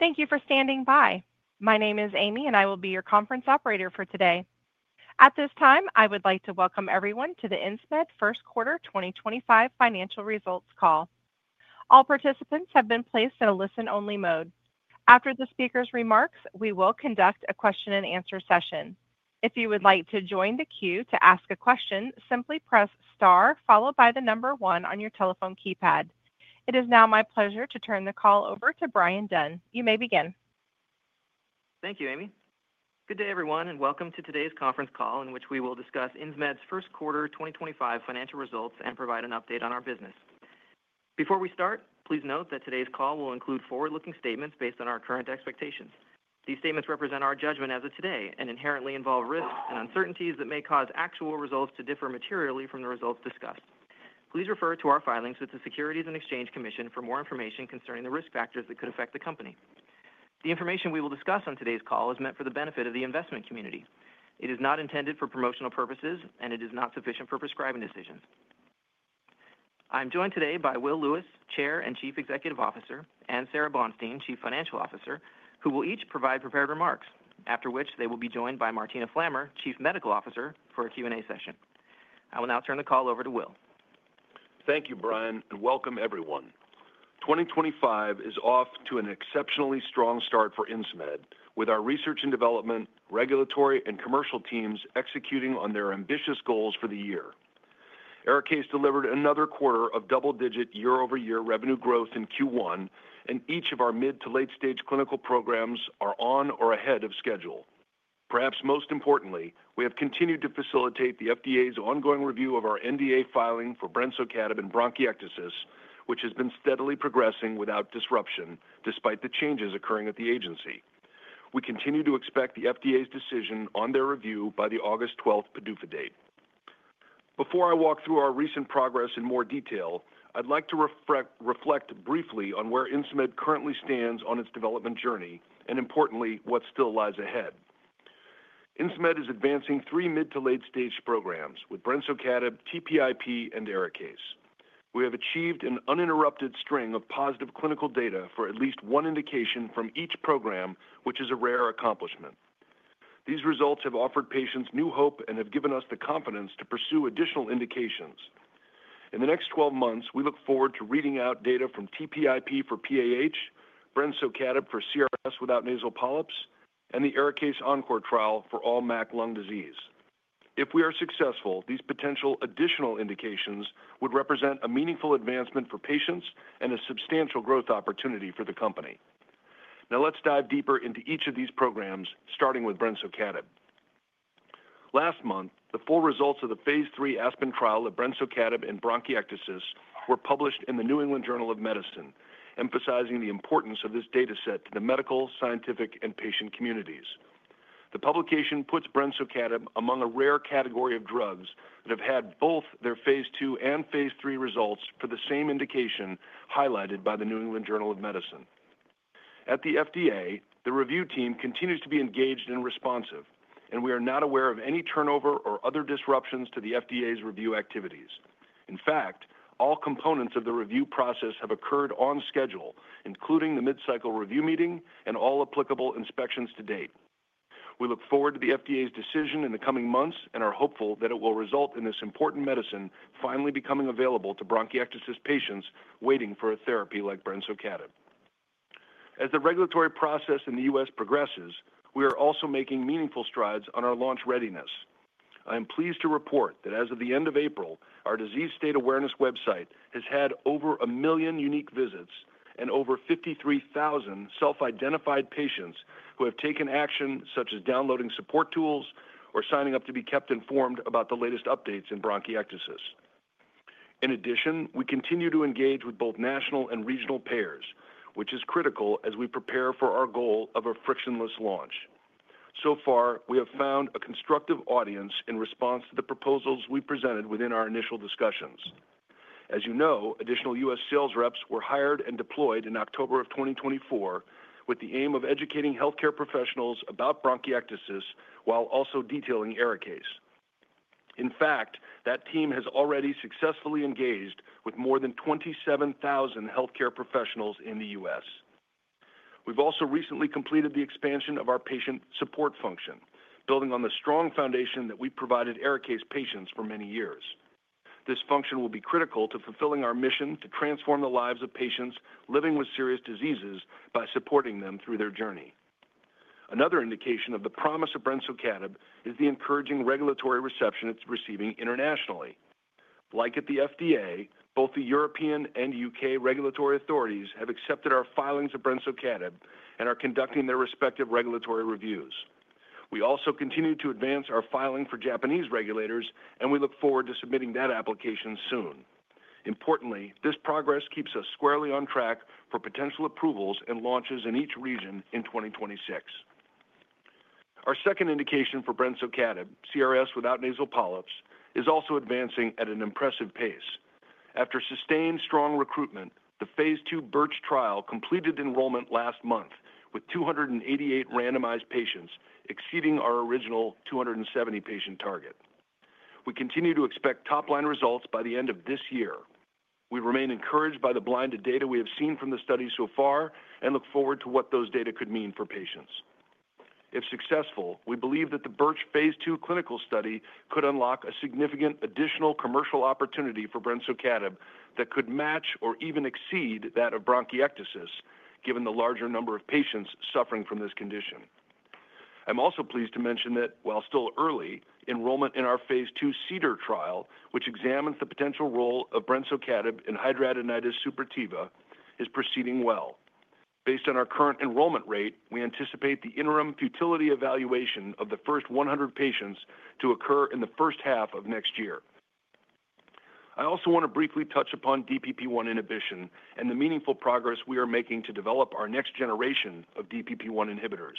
Thank you for standing by. My name is Amy, and I will be your conference operator for today. At this time, I would like to welcome everyone to the Insmed first quarter 2025 financial results call. All participants have been placed in a listen-only mode. After the speaker's remarks, we will conduct a question-and-answer session. If you would like to join the queue to ask a question, simply press star followed by the number one on your telephone keypad. It is now my pleasure to turn the call over to Bryan Dunn. You may begin. Thank you, Amy. Good day, everyone, and welcome to today's conference call in which we will discuss Insmed's first quarter 2025 financial results and provide an update on our business. Before we start, please note that today's call will include forward-looking statements based on our current expectations. These statements represent our judgment as of today and inherently involve risks and uncertainties that may cause actual results to differ materially from the results discussed. Please refer to our filings with the Securities and Exchange Commission for more information concerning the risk factors that could affect the company. The information we will discuss on today's call is meant for the benefit of the investment community. It is not intended for promotional purposes, and it is not sufficient for prescribing decisions. I'm joined today by Will Lewis, Chair and Chief Executive Officer, and Sara Bonstein, Chief Financial Officer, who will each provide prepared remarks, after which they will be joined by Martina Flammer, Chief Medical Officer, for a Q&A session. I will now turn the call over to Will. Thank you, Bryan, and welcome, everyone. 2025 is off to an exceptionally strong start for Insmed, with our research and development, regulatory, and commercial teams executing on their ambitious goals for the year. ARIKAYCE has delivered another quarter of double-digit year-over-year revenue growth in Q1, and each of our mid- to late-stage clinical programs are on or ahead of schedule. Perhaps most importantly, we have continued to facilitate the FDA's ongoing review of our NDA filing for brensocatib in bronchiectasis, which has been steadily progressing without disruption despite the changes occurring at the agency. We continue to expect the FDA's decision on their review by the August 12th PDUFA date. Before I walk through our recent progress in more detail, I'd like to reflect briefly on where Insmed currently stands on its development journey and, importantly, what still lies ahead. Insmed is advancing three mid- to late-stage programs with brensocatib, TPIP, and ARIKAYCE. We have achieved an uninterrupted string of positive clinical data for at least one indication from each program, which is a rare accomplishment. These results have offered patients new hope and have given us the confidence to pursue additional indications. In the next 12 months, we look forward to reading out data from TPIP for PAH, brensocatib for CRS without nasal polyps, and the ARIKAYCE ENCORE trial for all MAC lung disease. If we are successful, these potential additional indications would represent a meaningful advancement for patients and a substantial growth opportunity for the company. Now, let's dive deeper into each of these programs, starting with brensocatib. Last month, the full results of the phase III ASPEN trial of brensocatib in bronchiectasis were published in the New England Journal of Medicine, emphasizing the importance of this data set to the medical, scientific, and patient communities. The publication puts brensocatib among a rare category of drugs that have had both their phase II and phase III results for the same indication highlighted by the New England Journal of Medicine. At the FDA, the review team continues to be engaged and responsive, and we are not aware of any turnover or other disruptions to the FDA's review activities. In fact, all components of the review process have occurred on schedule, including the mid-cycle review meeting and all applicable inspections to date. We look forward to the FDA's decision in the coming months and are hopeful that it will result in this important medicine finally becoming available to bronchiectasis patients waiting for a therapy like brensocatib. As the regulatory process in the U.S. progresses, we are also making meaningful strides on our launch readiness. I am pleased to report that as of the end of April, our Disease State Awareness website has had over 1 million unique visits and over 53,000 self-identified patients who have taken action such as downloading support tools or signing up to be kept informed about the latest updates in bronchiectasis. In addition, we continue to engage with both national and regional payers, which is critical as we prepare for our goal of a frictionless launch. So far, we have found a constructive audience in response to the proposals we presented within our initial discussions. As you know, additional U.S. sales reps were hired and deployed in October of 2024 with the aim of educating healthcare professionals about bronchiectasis while also detailing ARIKAYCE. In fact, that team has already successfully engaged with more than 27,000 healthcare professionals in the U.S. We've also recently completed the expansion of our patient support function, building on the strong foundation that we've provided ARIKAYCE patients for many years. This function will be critical to fulfilling our mission to transform the lives of patients living with serious diseases by supporting them through their journey. Another indication of the promise of brensocatib is the encouraging regulatory reception it's receiving internationally. Like at the FDA, both the European and U.K. regulatory authorities have accepted our filings of brensocatib and are conducting their respective regulatory reviews. We also continue to advance our filing for Japanese regulators, and we look forward to submitting that application soon. Importantly, this progress keeps us squarely on track for potential approvals and launches in each region in 2026. Our second indication for brensocatib, CRS without nasal polyps, is also advancing at an impressive pace. After sustained strong recruitment, the phase II BiRCh trial completed enrollment last month with 288 randomized patients, exceeding our original 270-patient target. We continue to expect top-line results by the end of this year. We remain encouraged by the blinded data we have seen from the study so far and look forward to what those data could mean for patients. If successful, we believe that the BiRCh phase II clinical study could unlock a significant additional commercial opportunity for brensocatib that could match or even exceed that of bronchiectasis, given the larger number of patients suffering from this condition. I'm also pleased to mention that, while still early, enrollment in our phase II CEDAR trial, which examines the potential role of brensocatib in hidradenitis suppurativa, is proceeding well. Based on our current enrollment rate, we anticipate the interim futility evaluation of the first 100 patients to occur in the first half of next year. I also want to briefly touch upon DPP1 inhibition and the meaningful progress we are making to develop our next generation of DPP1 inhibitors.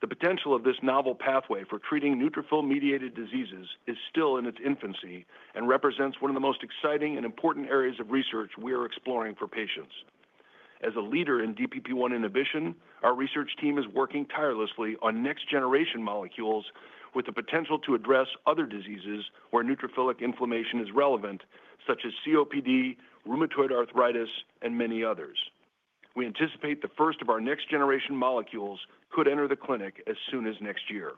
The potential of this novel pathway for treating neutrophil-mediated diseases is still in its infancy and represents one of the most exciting and important areas of research we are exploring for patients. As a leader in DPP1 inhibition, our research team is working tirelessly on next-generation molecules with the potential to address other diseases where neutrophilic inflammation is relevant, such as COPD, rheumatoid arthritis, and many others. We anticipate the first of our next-generation molecules could enter the clinic as soon as next year.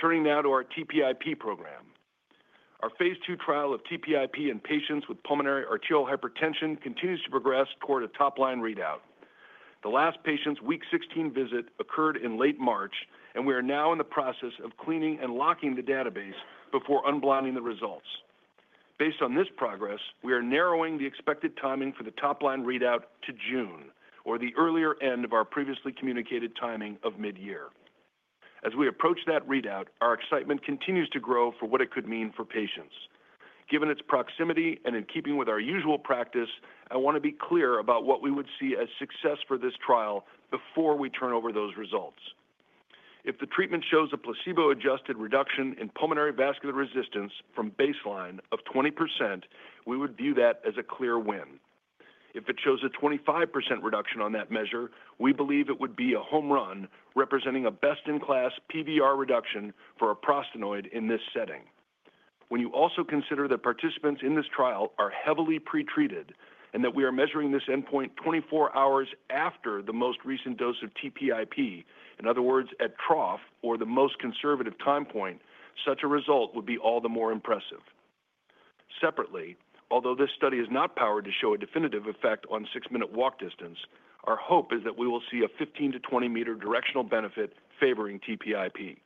Turning now to our TPIP program. Our phase II trial of TPIP in patients with pulmonary arterial hypertension continues to progress toward a top-line readout. The last patient's week 16 visit occurred in late March, and we are now in the process of cleaning and locking the database before unblocking the results. Based on this progress, we are narrowing the expected timing for the top-line readout to June, or the earlier end of our previously communicated timing of mid-year. As we approach that readout, our excitement continues to grow for what it could mean for patients. Given its proximity and in keeping with our usual practice, I want to be clear about what we would see as success for this trial before we turn over those results. If the treatment shows a placebo-adjusted reduction in pulmonary vascular resistance from baseline of 20%, we would view that as a clear win. If it shows a 25% reduction on that measure, we believe it would be a home run, representing a best-in-class PVR reduction for a prostaglandin in this setting. When you also consider that participants in this trial are heavily pretreated and that we are measuring this endpoint 24 hours after the most recent dose of TPIP, in other words, at trough or the most conservative time point, such a result would be all the more impressive. Separately, although this study is not powered to show a definitive effect on six-minute walk distance, our hope is that we will see a 15 m-20 m directional benefit favoring TPIP.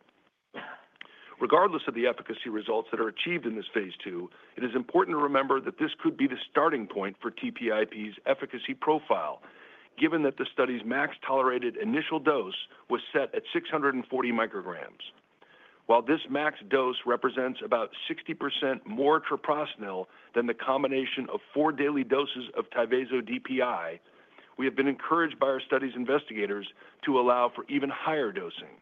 Regardless of the efficacy results that are achieved in this phase II, it is important to remember that this could be the starting point for TPIP's efficacy profile, given that the study's max tolerated initial dose was set at 640 μg. While this max dose represents about 60% more treprostinil than the combination of four daily doses of TYVASO DPI, we have been encouraged by our study's investigators to allow for even higher dosing.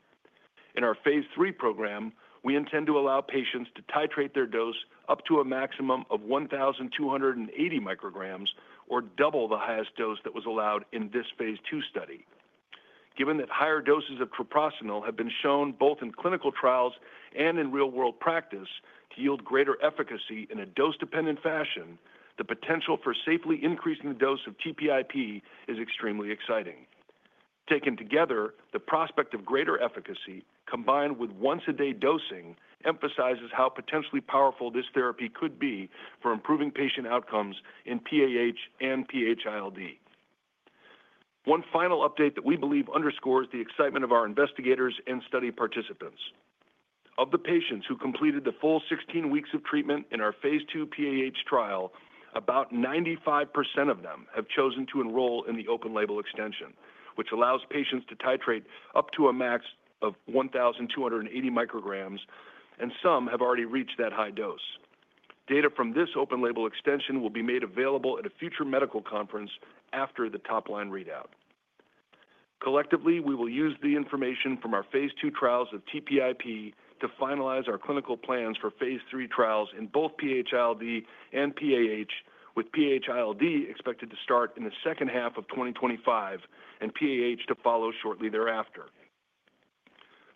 In our phase III program, we intend to allow patients to titrate their dose up to a maximum of 1,280 μg, or double the highest dose that was allowed in this phase II study. Given that higher doses of treprostinil have been shown both in clinical trials and in real-world practice to yield greater efficacy in a dose-dependent fashion, the potential for safely increasing the dose of TPIP is extremely exciting. Taken together, the prospect of greater efficacy combined with once-a-day dosing emphasizes how potentially powerful this therapy could be for improving patient outcomes in PAH and PH-ILD. One final update that we believe underscores the excitement of our investigators and study participants. Of the patients who completed the full 16 weeks of treatment in our phase II PAH trial, about 95% of them have chosen to enroll in the open-label extension, which allows patients to titrate up to a max of 1,280 μg, and some have already reached that high dose. Data from this open-label extension will be made available at a future medical conference after the top-line readout. Collectively, we will use the information from our phase II trials of TPIP to finalize our clinical plans for phase III trials in both PH-ILD and PAH, with PH-ILD expected to start in the second half of 2025 and PAH to follow shortly thereafter.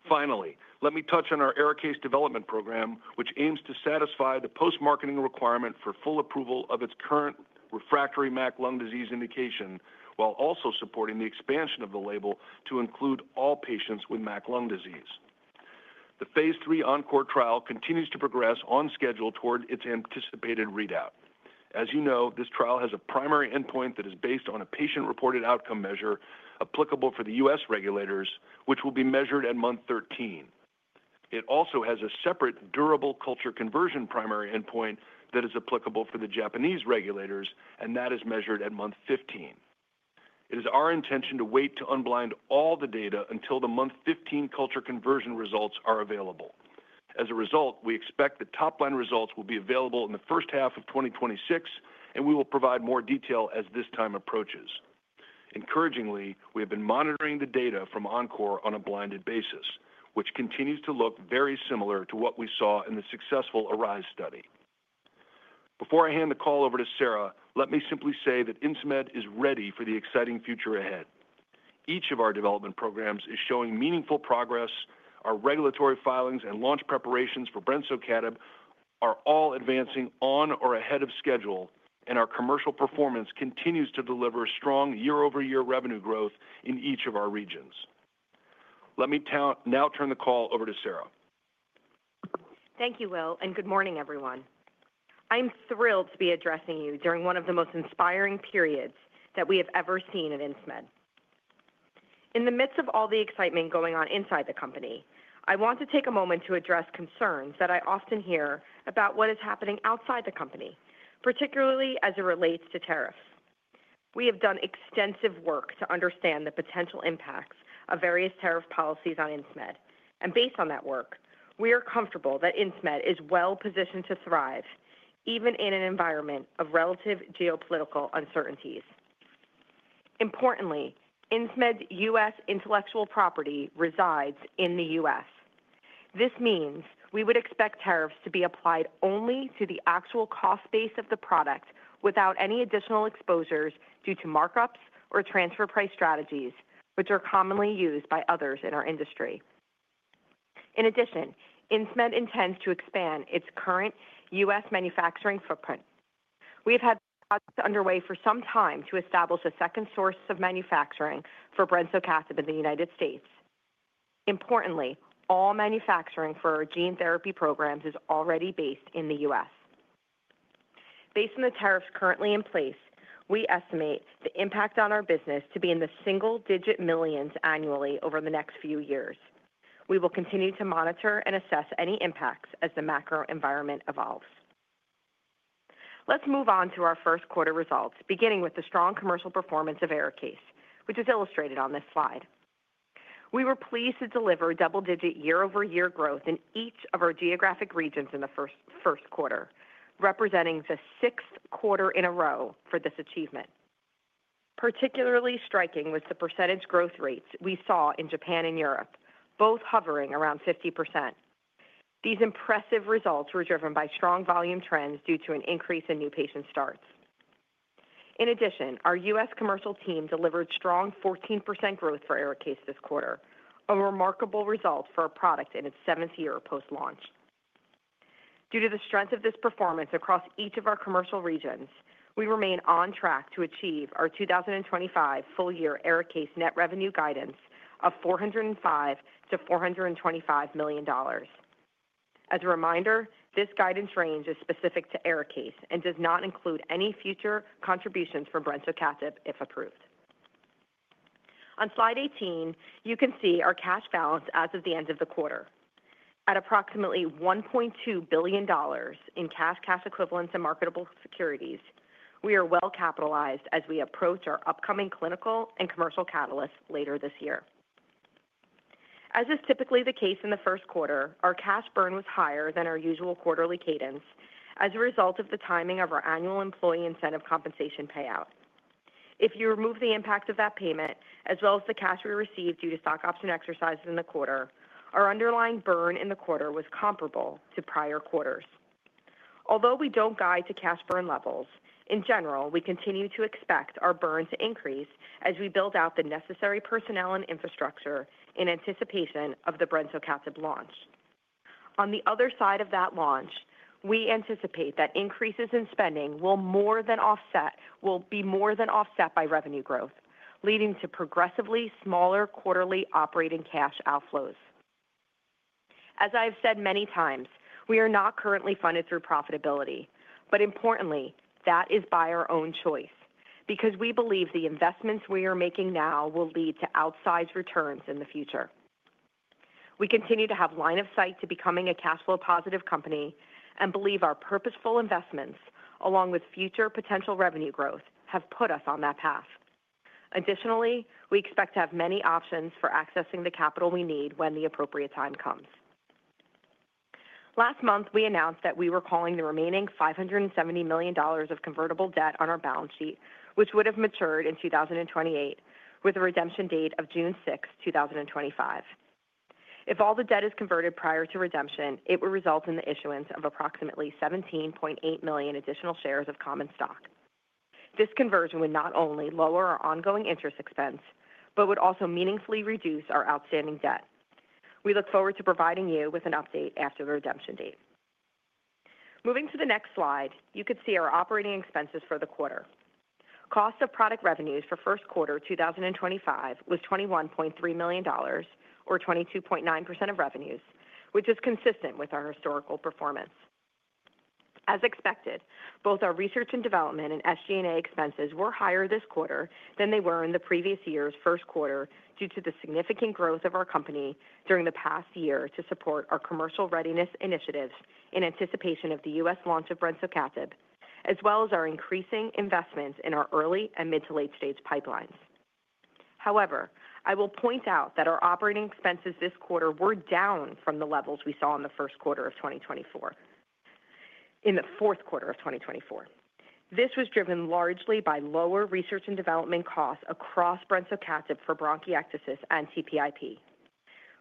Finally, let me touch on our ARIKAYCE development program, which aims to satisfy the post-marketing requirement for full approval of its current refractory MAC lung disease indication while also supporting the expansion of the label to include all patients with MAC lung disease. The phase III ENCORE trial continues to progress on schedule toward its anticipated readout. As you know, this trial has a primary endpoint that is based on a patient-reported outcome measure applicable for the U.S. regulators, which will be measured at month 13. It also has a separate durable culture conversion primary endpoint that is applicable for the Japanese regulators, and that is measured at month 15. It is our intention to wait to unblind all the data until the month 15 culture conversion results are available. As a result, we expect the top-line results will be available in the first half of 2026, and we will provide more detail as this time approaches. Encouragingly, we have been monitoring the data from ENCORE on a blinded basis, which continues to look very similar to what we saw in the successful ARISE study. Before I hand the call over to Sara, let me simply say that Insmed is ready for the exciting future ahead. Each of our development programs is showing meaningful progress. Our regulatory filings and launch preparations for brensocatib are all advancing on or ahead of schedule, and our commercial performance continues to deliver strong year-over-year revenue growth in each of our regions. Let me now turn the call over to Sara. Thank you, Will, and good morning, everyone. I'm thrilled to be addressing you during one of the most inspiring periods that we have ever seen at Insmed. In the midst of all the excitement going on inside the company, I want to take a moment to address concerns that I often hear about what is happening outside the company, particularly as it relates to tariffs. We have done extensive work to understand the potential impacts of various tariff policies on Insmed, and based on that work, we are comfortable that Insmed is well-positioned to thrive, even in an environment of relative geopolitical uncertainties. Importantly, Insmed's U.S. Intellectual property resides in the U.S. This means we would expect tariffs to be applied only to the actual cost base of the product without any additional exposures due to markups or transfer price strategies, which are commonly used by others in our industry. In addition, Insmed intends to expand its current U.S. manufacturing footprint. We have had projects underway for some time to establish a second source of manufacturing for brensocatib in the United States. Importantly, all manufacturing for our gene therapy programs is already based in the U.S. Based on the tariffs currently in place, we estimate the impact on our business to be in the single-digit millions annually over the next few years. We will continue to monitor and assess any impacts as the macro environment evolves. Let's move on to our first quarter results, beginning with the strong commercial performance of ARIKAYCE, which is illustrated on this slide. We were pleased to deliver double-digit year-over-year growth in each of our geographic regions in the first quarter, representing the sixth quarter in a row for this achievement. Particularly striking was the % growth rates we saw in Japan and Europe, both hovering around 50%. These impressive results were driven by strong volume trends due to an increase in new patient starts. In addition, our U.S. commercial team delivered strong 14% growth for ARIKAYCE this quarter, a remarkable result for our product in its seventh year post-launch. Due to the strength of this performance across each of our commercial regions, we remain on track to achieve our 2025 full-year ARIKAYCE net revenue guidance of $405 million-$425 million. As a reminder, this guidance range is specific to ARIKAYCE and does not include any future contributions for brensocatib if approved. On slide 18, you can see our cash balance as of the end of the quarter. At approximately $1.2 billion in cash, cash equivalents, and marketable securities, we are well capitalized as we approach our upcoming clinical and commercial catalysts later this year. As is typically the case in the first quarter, our cash burn was higher than our usual quarterly cadence as a result of the timing of our annual employee incentive compensation payout. If you remove the impact of that payment, as well as the cash we received due to stock option exercises in the quarter, our underlying burn in the quarter was comparable to prior quarters. Although we do not guide to cash burn levels, in general, we continue to expect our burn to increase as we build out the necessary personnel and infrastructure in anticipation of the brensocatib launch. On the other side of that launch, we anticipate that increases in spending will be more than offset by revenue growth, leading to progressively smaller quarterly operating cash outflows. As I have said many times, we are not currently funded through profitability, but importantly, that is by our own choice because we believe the investments we are making now will lead to outsized returns in the future. We continue to have line of sight to becoming a cash flow positive company and believe our purposeful investments, along with future potential revenue growth, have put us on that path. Additionally, we expect to have many options for accessing the capital we need when the appropriate time comes. Last month, we announced that we were calling the remaining $570 million of convertible debt on our balance sheet, which would have matured in 2028, with a redemption date of June 6, 2025. If all the debt is converted prior to redemption, it would result in the issuance of approximately 17.8 million additional shares of common stock. This conversion would not only lower our ongoing interest expense, but would also meaningfully reduce our outstanding debt. We look forward to providing you with an update after the redemption date. Moving to the next slide, you could see our operating expenses for the quarter. Cost of product revenues for first quarter 2025 was $21.3 million, or 22.9% of revenues, which is consistent with our historical performance. As expected, both our research and development and SG&A expenses were higher this quarter than they were in the previous year's first quarter due to the significant growth of our company during the past year to support our commercial readiness initiatives in anticipation of the U.S. launch of brensocatib, as well as our increasing investments in our early and mid-to-late stage pipelines. However, I will point out that our operating expenses this quarter were down from the levels we saw in the first quarter of 2024, in the fourth quarter of 2024. This was driven largely by lower research and development costs across brensocatib for bronchiectasis and TPIP.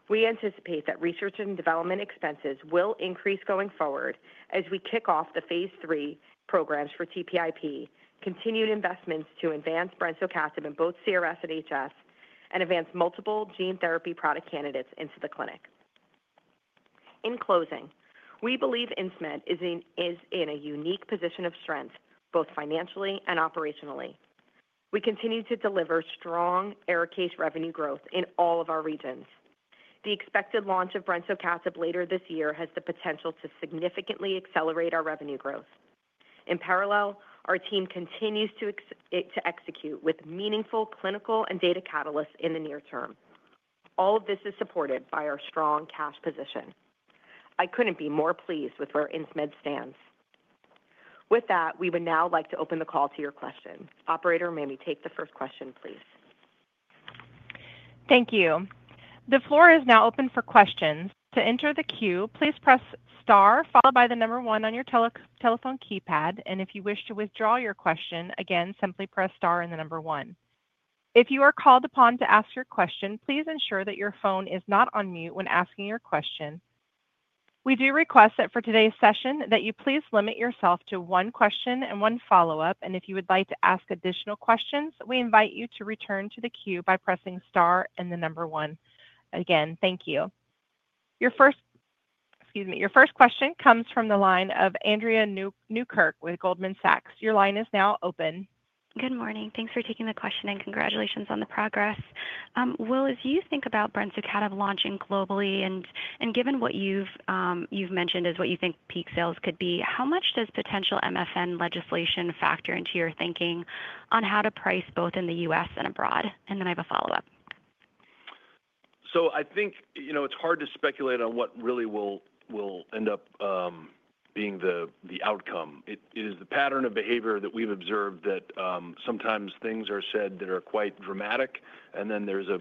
We anticipate that research and development expenses will increase going forward as we kick off the phase III programs for TPIP, continued investments to advance brensocatib in both CRS and HS, and advance multiple gene therapy product candidates into the clinic. In closing, we believe Insmed is in a unique position of strength, both financially and operationally. We continue to deliver strong ARIKAYCE revenue growth in all of our regions. The expected launch of brensocatib later this year has the potential to significantly accelerate our revenue growth. In parallel, our team continues to execute with meaningful clinical and data catalysts in the near term. All of this is supported by our strong cash position. I couldn't be more pleased with where Insmed stands. With that, we would now like to open the call to your question. Operator, may we take the first question, please? Thank you. The floor is now open for questions. To enter the queue, please press star followed by the number one on your telephone keypad, and if you wish to withdraw your question, again, simply press star and the number one. If you are called upon to ask your question, please ensure that your phone is not on mute when asking your question. We do request that for today's session, you please limit yourself to one question and one follow-up, and if you would like to ask additional questions, we invite you to return to the queue by pressing star and the number one. Again, thank you. Your first, excuse me, your first question comes from the line of Andrea Newkirk with Goldman Sachs. Your line is now open. Good morning. Thanks for taking the question and congratulations on the progress. Will, as you think about brensocatib launching globally and given what you've mentioned as what you think peak sales could be, how much does potential MFN legislation factor into your thinking on how to price both in the U.S. and abroad? I have a follow-up. I think it's hard to speculate on what really will end up being the outcome. It is the pattern of behavior that we've observed that sometimes things are said that are quite dramatic, and then there's a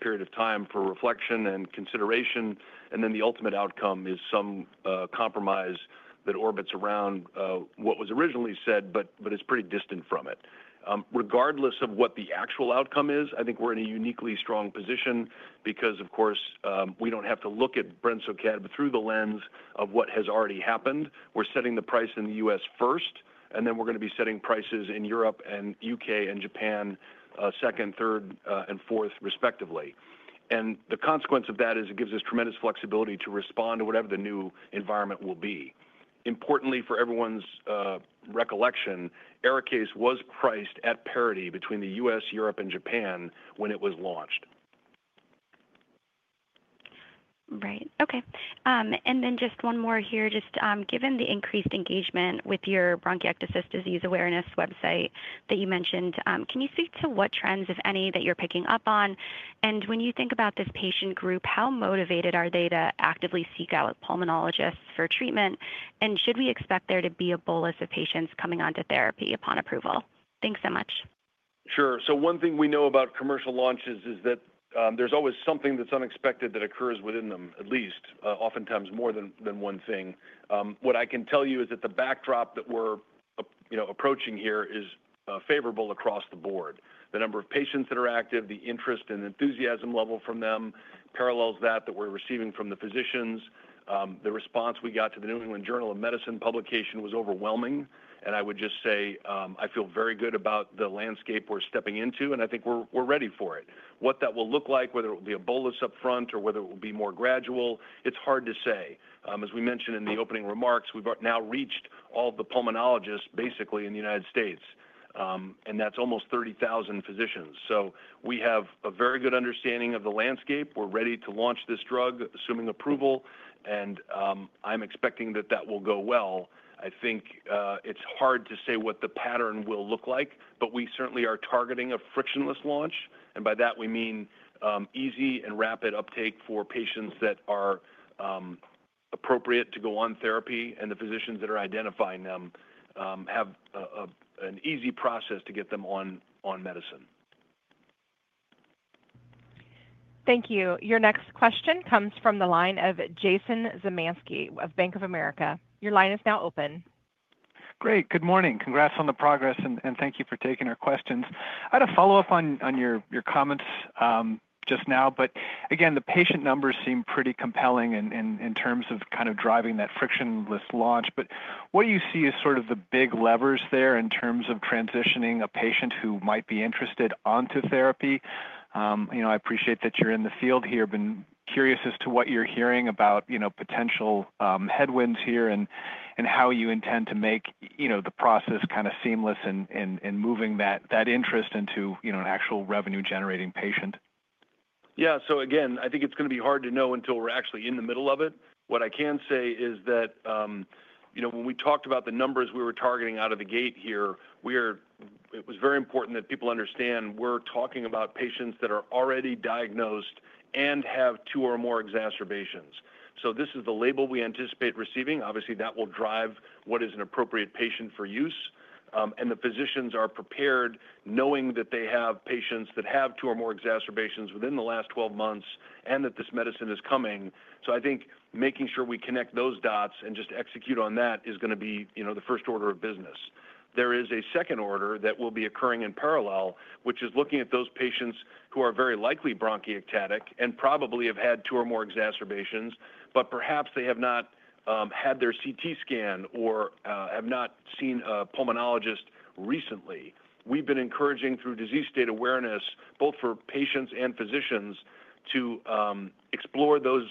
period of time for reflection and consideration, and then the ultimate outcome is some compromise that orbits around what was originally said, but it's pretty distant from it. Regardless of what the actual outcome is, I think we're in a uniquely strong position because, of course, we don't have to look at brensocatib through the lens of what has already happened. We're setting the price in the U.S. first, and then we're going to be setting prices in Europe and U.K. and Japan second, third, and fourth, respectively. The consequence of that is it gives us tremendous flexibility to respond to whatever the new environment will be. Importantly, for everyone's recollection, ARIKAYCE was priced at parity between the U.S., Europe, and Japan when it was launched. Right. Okay. And then just one more here. Just given the increased engagement with your bronchiectasis disease awareness website that you mentioned, can you speak to what trends, if any, that you're picking up on? When you think about this patient group, how motivated are they to actively seek out pulmonologists for treatment? Should we expect there to be a bolus of patients coming onto therapy upon approval? Thanks so much. Sure. One thing we know about commercial launches is that there's always something that's unexpected that occurs within them, at least, oftentimes more than one thing. What I can tell you is that the backdrop that we're approaching here is favorable across the board. The number of patients that are active, the interest and enthusiasm level from them parallels that that we're receiving from the physicians. The response we got to the New England Journal of Medicine publication was overwhelming, and I would just say I feel very good about the landscape we're stepping into, and I think we're ready for it. What that will look like, whether it will be a bolus upfront or whether it will be more gradual, it's hard to say. As we mentioned in the opening remarks, we've now reached all the pulmonologists basically in the U.S., and that's almost 30,000 physicians. So we have a very good understanding of the landscape. We're ready to launch this drug, assuming approval, and I'm expecting that that will go well. I think it's hard to say what the pattern will look like, but we certainly are targeting a frictionless launch, and by that, we mean easy and rapid uptake for patients that are appropriate to go on therapy and the physicians that are identifying them have an easy process to get them on medicine. Thank you. Your next question comes from the line of Jason Zemansky of Bank of America. Your line is now open. Great. Good morning. Congrats on the progress, and thank you for taking our questions. I had a follow-up on your comments just now, but again, the patient numbers seem pretty compelling in terms of kind of driving that frictionless launch. What do you see as sort of the big levers there in terms of transitioning a patient who might be interested onto therapy? I appreciate that you're in the field here. I've been curious as to what you're hearing about potential headwinds here and how you intend to make the process kind of seamless in moving that interest into an actual revenue-generating patient. Yeah. Again, I think it's going to be hard to know until we're actually in the middle of it. What I can say is that when we talked about the numbers we were targeting out of the gate here, it was very important that people understand we're talking about patients that are already diagnosed and have two or more exacerbations. This is the label we anticipate receiving. Obviously, that will drive what is an appropriate patient for use, and the physicians are prepared knowing that they have patients that have two or more exacerbations within the last 12 months and that this medicine is coming. I think making sure we connect those dots and just execute on that is going to be the first order of business. There is a second order that will be occurring in parallel, which is looking at those patients who are very likely bronchiectatic and probably have had two or more exacerbations, but perhaps they have not had their CT scan or have not seen a pulmonologist recently. We've been encouraging through disease state awareness, both for patients and physicians, to explore those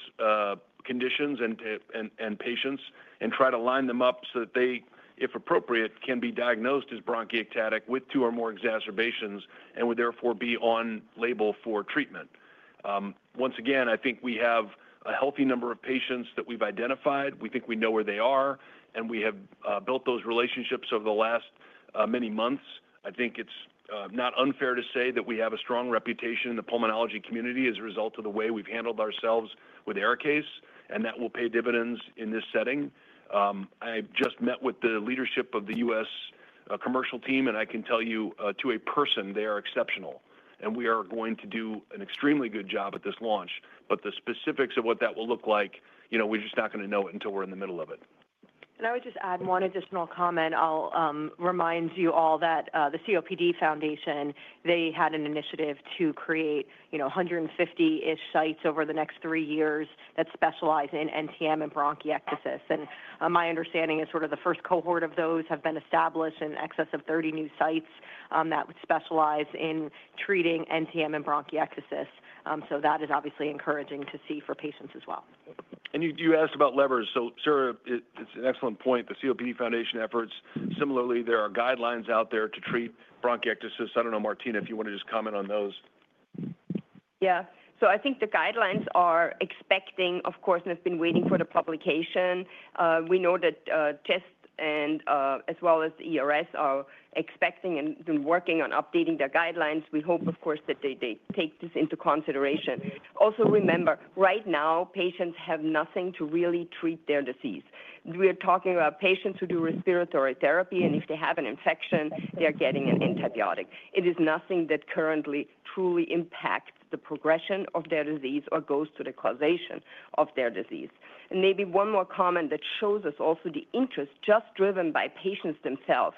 conditions and patients and try to line them up so that they, if appropriate, can be diagnosed as bronchiectatic with two or more exacerbations and would therefore be on label for treatment. Once again, I think we have a healthy number of patients that we've identified. We think we know where they are, and we have built those relationships over the last many months. I think it's not unfair to say that we have a strong reputation in the pulmonology community as a result of the way we've handled ourselves with ARIKAYCE, and that will pay dividends in this setting. I just met with the leadership of the U.S. commercial team, and I can tell you to a person they are exceptional, and we are going to do an extremely good job at this launch. The specifics of what that will look like, we're just not going to know it until we're in the middle of it. I would just add one additional comment. I'll remind you all that the COPD Foundation, they had an initiative to create 150-ish sites over the next three years that specialize in NTM and bronchiectasis. My understanding is sort of the first cohort of those have been established in excess of 30 new sites that would specialize in treating NTM and bronchiectasis. That is obviously encouraging to see for patients as well. You asked about levers. Sara, it's an excellent point. The COPD Foundation efforts. Similarly, there are guidelines out there to treat bronchiectasis. I don't know, Martina, if you want to just comment on those. Yeah. I think the guidelines are expecting, of course, and have been waiting for the publication. We know that tests and as well as the ERS are expecting and working on updating their guidelines. We hope, of course, that they take this into consideration. Also, remember, right now, patients have nothing to really treat their disease. We are talking about patients who do respiratory therapy, and if they have an infection, they're getting an antibiotic. It is nothing that currently truly impacts the progression of their disease or goes to the causation of their disease. Maybe one more comment that shows us also the interest just driven by patients themselves,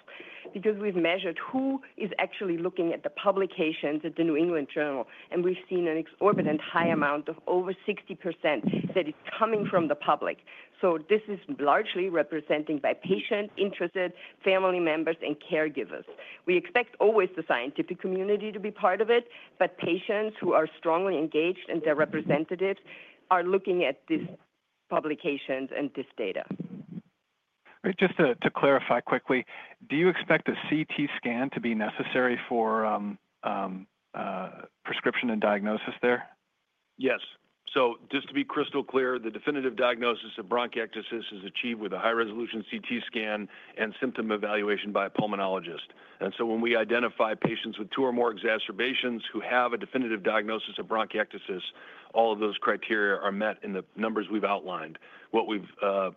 because we've measured who is actually looking at the publications at the New England Journal of Medicine, and we've seen an exorbitant high amount of over 60% that is coming from the public. This is largely represented by patients, interested family members, and caregivers. We expect always the scientific community to be part of it, but patients who are strongly engaged and their representatives are looking at these publications and this data. Just to clarify quickly, do you expect a CT scan to be necessary for prescription and diagnosis there? Yes. Just to be crystal clear, the definitive diagnosis of bronchiectasis is achieved with a high-resolution CT scan and symptom evaluation by a pulmonologist. When we identify patients with two or more exacerbations who have a definitive diagnosis of bronchiectasis, all of those criteria are met in the numbers we have outlined. What we have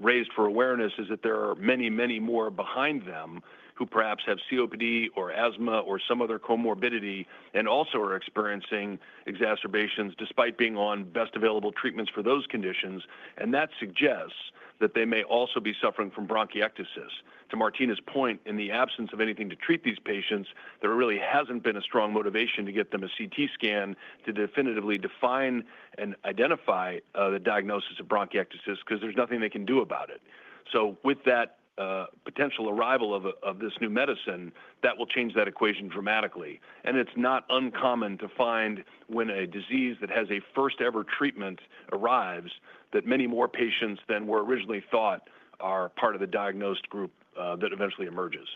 raised for awareness is that there are many, many more behind them who perhaps have COPD or asthma or some other comorbidity and also are experiencing exacerbations despite being on best available treatments for those conditions, and that suggests that they may also be suffering from bronchiectasis. To Martina's point, in the absence of anything to treat these patients, there really has not been a strong motivation to get them a CT scan to definitively define and identify the diagnosis of bronchiectasis because there is nothing they can do about it. With that potential arrival of this new medicine, that will change that equation dramatically. It's not uncommon to find when a disease that has a first-ever treatment arrives that many more patients than were originally thought are part of the diagnosed group that eventually emerges.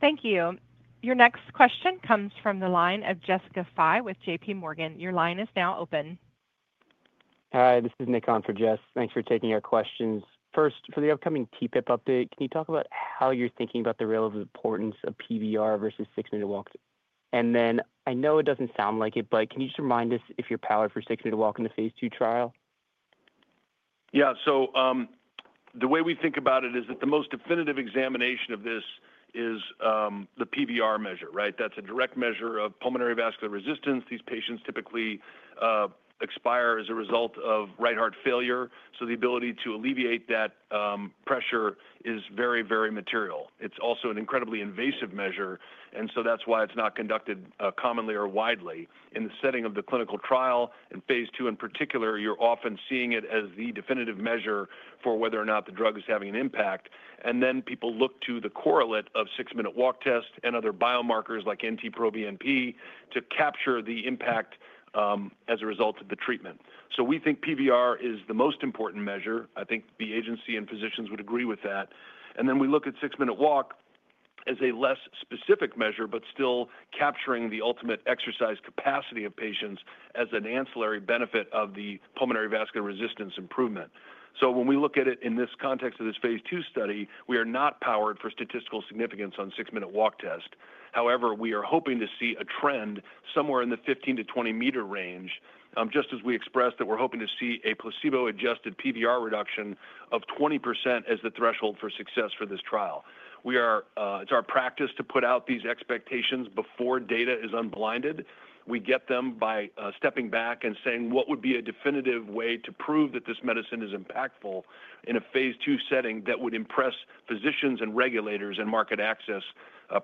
Thank you. Your next question comes from the line of Jessica Fye with JPMorgan. Your line is now open. Hi, this is Nick on for Jess. Thanks for taking our questions. First, for the upcoming TPIP update, can you talk about how you're thinking about the relative importance of PVR versus six-minute walks? I know it doesn't sound like it, but can you just remind us if you're powered for six-minute walk in the phase II trial? Yeah. The way we think about it is that the most definitive examination of this is the PVR measure, right? That's a direct measure of pulmonary vascular resistance. These patients typically expire as a result of right heart failure, so the ability to alleviate that pressure is very, very material. It's also an incredibly invasive measure, and that's why it's not conducted commonly or widely. In the setting of the clinical trial and phase II in particular, you're often seeing it as the definitive measure for whether or not the drug is having an impact. People look to the correlate of six-minute walk test and other biomarkers like NT-proBNP to capture the impact as a result of the treatment. We think PVR is the most important measure. I think the agency and physicians would agree with that. We look at six-minute walk as a less specific measure, but still capturing the ultimate exercise capacity of patients as an ancillary benefit of the pulmonary vascular resistance improvement. When we look at it in this context of this phase II study, we are not powered for statistical significance on six-minute walk test. However, we are hoping to see a trend somewhere in the 15-20 meter range, just as we expressed that we're hoping to see a placebo-adjusted PVR reduction of 20% as the threshold for success for this trial. It's our practice to put out these expectations before data is unblinded. We get them by stepping back and saying, "What would be a definitive way to prove that this medicine is impactful in a phase II setting that would impress physicians and regulators and market access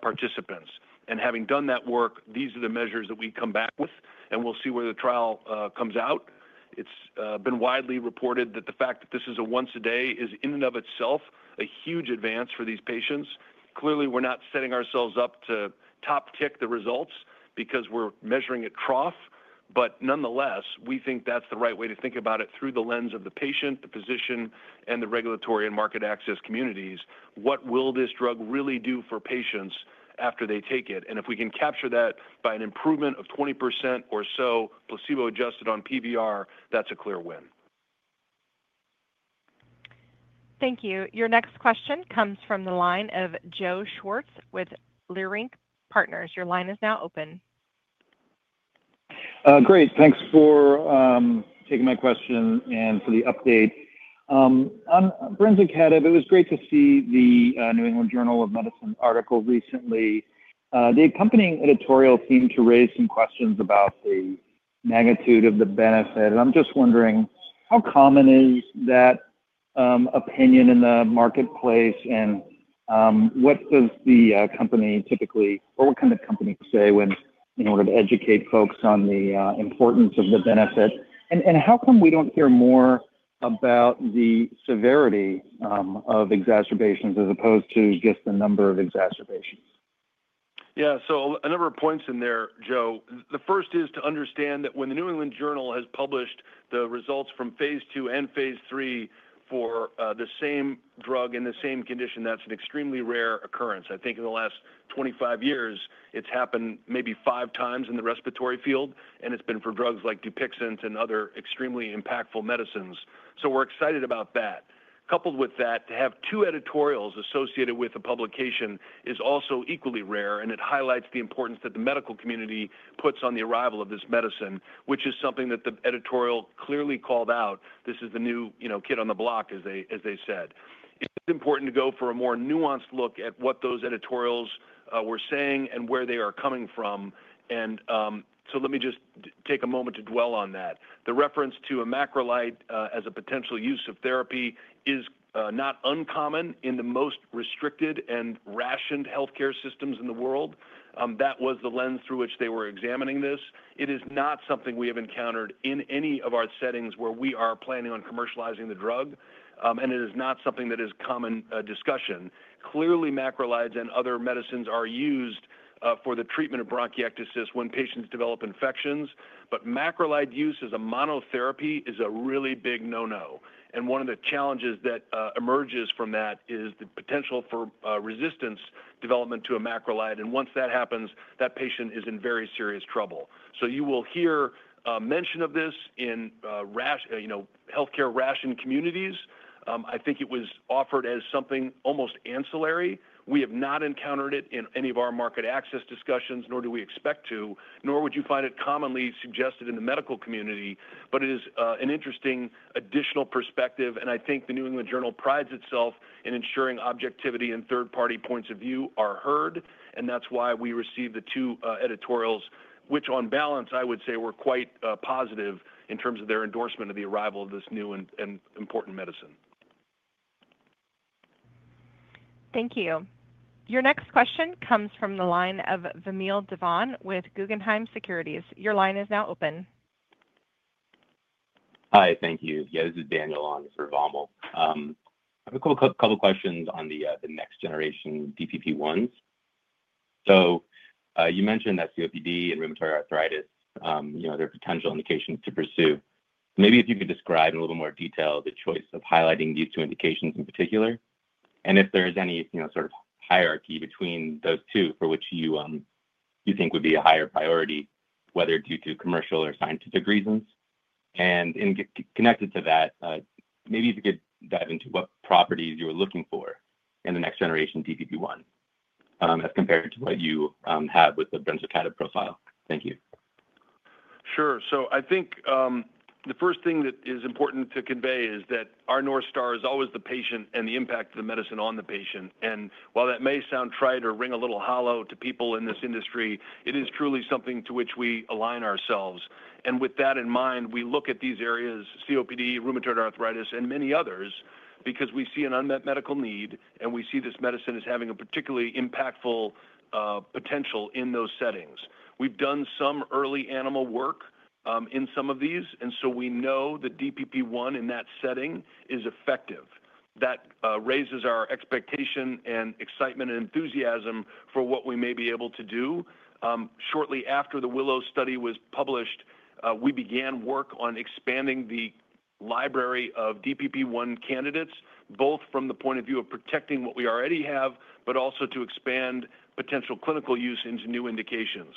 participants?" Having done that work, these are the measures that we come back with, and we'll see where the trial comes out. It's been widely reported that the fact that this is a once-a-day is in and of itself a huge advance for these patients. Clearly, we're not setting ourselves up to top tick the results because we're measuring at trough, but nonetheless, we think that's the right way to think about it through the lens of the patient, the physician, and the regulatory and market access communities. What will this drug really do for patients after they take it? If we can capture that by an improvement of 20% or so placebo-adjusted on PVR, that's a clear win. Thank you. Your next question comes from the line of Joe Schwartz with Leerink Partners. Your line is now open. Great. Thanks for taking my question and for the update. I'm Joe Schwartz. It was great to see the New England Journal of Medicine article recently. The accompanying editorial seemed to raise some questions about the magnitude of the benefit. I'm just wondering, how common is that opinion in the marketplace, and what does the company typically or what can the company say in order to educate folks on the importance of the benefit? And how come we don't hear more about the severity of exacerbations as opposed to just the number of exacerbations? Yeah. A number of points in there, Joe. The first is to understand that when the New England Journal of Medicine has published the results from phase II and phase III for the same drug in the same condition, that's an extremely rare occurrence. I think in the last 25 years, it's happened maybe five times in the respiratory field, and it's been for drugs like DUPIXENT and other extremely impactful medicines. We're excited about that. Coupled with that, to have two editorials associated with a publication is also equally rare, and it highlights the importance that the medical community puts on the arrival of this medicine, which is something that the editorial clearly called out. This is the new kid on the block, as they said. It's important to go for a more nuanced look at what those editorials were saying and where they are coming from. Let me just take a moment to dwell on that. The reference to a macrolide as a potential use of therapy is not uncommon in the most restricted and rationed healthcare systems in the world. That was the lens through which they were examining this. It is not something we have encountered in any of our settings where we are planning on commercializing the drug, and it is not something that is common discussion. Clearly, macrolides and other medicines are used for the treatment of bronchiectasis when patients develop infections, but macrolide use as a monotherapy is a really big no-no. One of the challenges that emerges from that is the potential for resistance development to a macrolide, and once that happens, that patient is in very serious trouble. You will hear mention of this in healthcare ration communities. I think it was offered as something almost ancillary. We have not encountered it in any of our market access discussions, nor do we expect to, nor would you find it commonly suggested in the medical community, but it is an interesting additional perspective, and I think the New England Journal of Medicine prides itself in ensuring objectivity and third-party points of view are heard, and that's why we received the two editorials, which on balance, I would say, were quite positive in terms of their endorsement of the arrival of this new and important medicine. Thank you. Your next question comes from the line of Vamil Divan with Guggenheim Securities. Your line is now open. Hi, thank you. Yeah, this is Daniel on for Vamil. I have a couple of questions on the next generation DPP1s. So you mentioned that COPD and rheumatoid arthritis, they're potential indications to pursue. Maybe if you could describe in a little bit more detail the choice of highlighting these two indications in particular, and if there is any sort of hierarchy between those two for which you think would be a higher priority, whether due to commercial or scientific reasons. Connected to that, maybe if you could dive into what properties you were looking for in the next generation DPP1 as compared to what you have with the brensocatib profile. Thank you. Sure. I think the first thing that is important to convey is that our North Star is always the patient and the impact of the medicine on the patient. While that may sound trite or ring a little hollow to people in this industry, it is truly something to which we align ourselves. With that in mind, we look at these areas, COPD, rheumatoid arthritis, and many others, because we see an unmet medical need, and we see this medicine as having a particularly impactful potential in those settings. We've done some early animal work in some of these, and we know that DPP1 in that setting is effective. That raises our expectation and excitement and enthusiasm for what we may be able to do. Shortly after the Willow study was published, we began work on expanding the library of DPP1 candidates, both from the point of view of protecting what we already have, but also to expand potential clinical use into new indications.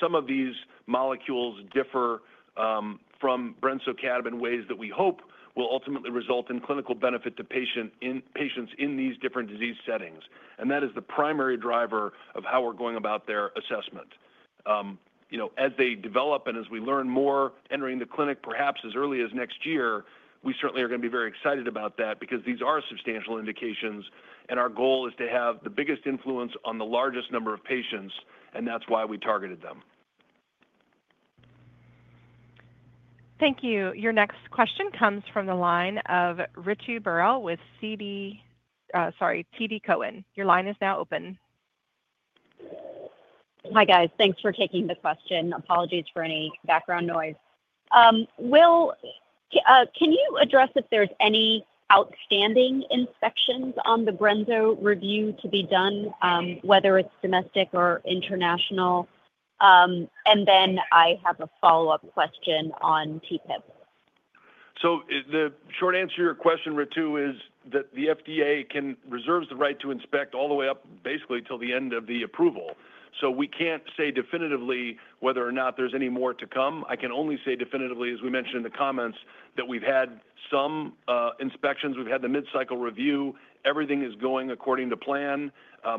Some of these molecules differ from brensocatib in ways that we hope will ultimately result in clinical benefit to patients in these different disease settings. That is the primary driver of how we're going about their assessment. As they develop and as we learn more entering the clinic, perhaps as early as next year, we certainly are going to be very excited about that because these are substantial indications, and our goal is to have the biggest influence on the largest number of patients, and that's why we targeted them. Thank you. Your next question comes from the line of Ritu Baral with TD Cowen. Your line is now open. Hi, guys. Thanks for taking the question. Apologies for any background noise. Will, can you address if there's any outstanding inspections on the brensocatib review to be done, whether it's domestic or international? I have a follow-up question on TPIP. The short answer to your question, Ritu, is that the FDA reserves the right to inspect all the way up basically till the end of the approval. We cannot say definitively whether or not there is any more to come. I can only say definitively, as we mentioned in the comments, that we have had some inspections. We have had the mid-cycle review. Everything is going according to plan.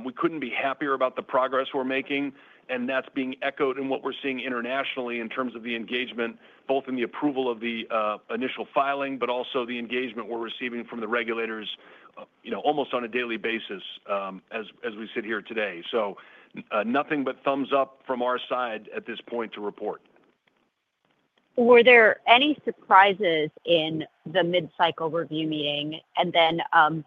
We could not be happier about the progress we are making, and that is being echoed in what we are seeing internationally in terms of the engagement, both in the approval of the initial filing, but also the engagement we are receiving from the regulators almost on a daily basis as we sit here today. Nothing but thumbs up from our side at this point to report. Were there any surprises in the mid-cycle review meeting? On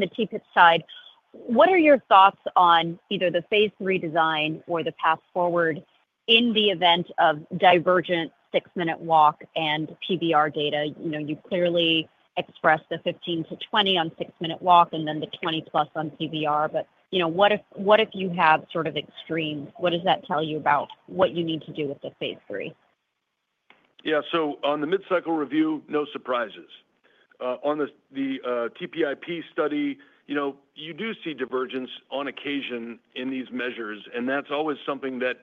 the TPIP side, what are your thoughts on either the phase III design or the path forward in the event of divergent six-minute walk and PVR data? You clearly expressed the 15%-20% on six-minute walk and then the 20% plus on PVR, but what if you have sort of extremes? What does that tell you about what you need to do with the phase III? Yeah. On the mid-cycle review, no surprises. On the TPIP study, you do see divergence on occasion in these measures, and that is always something that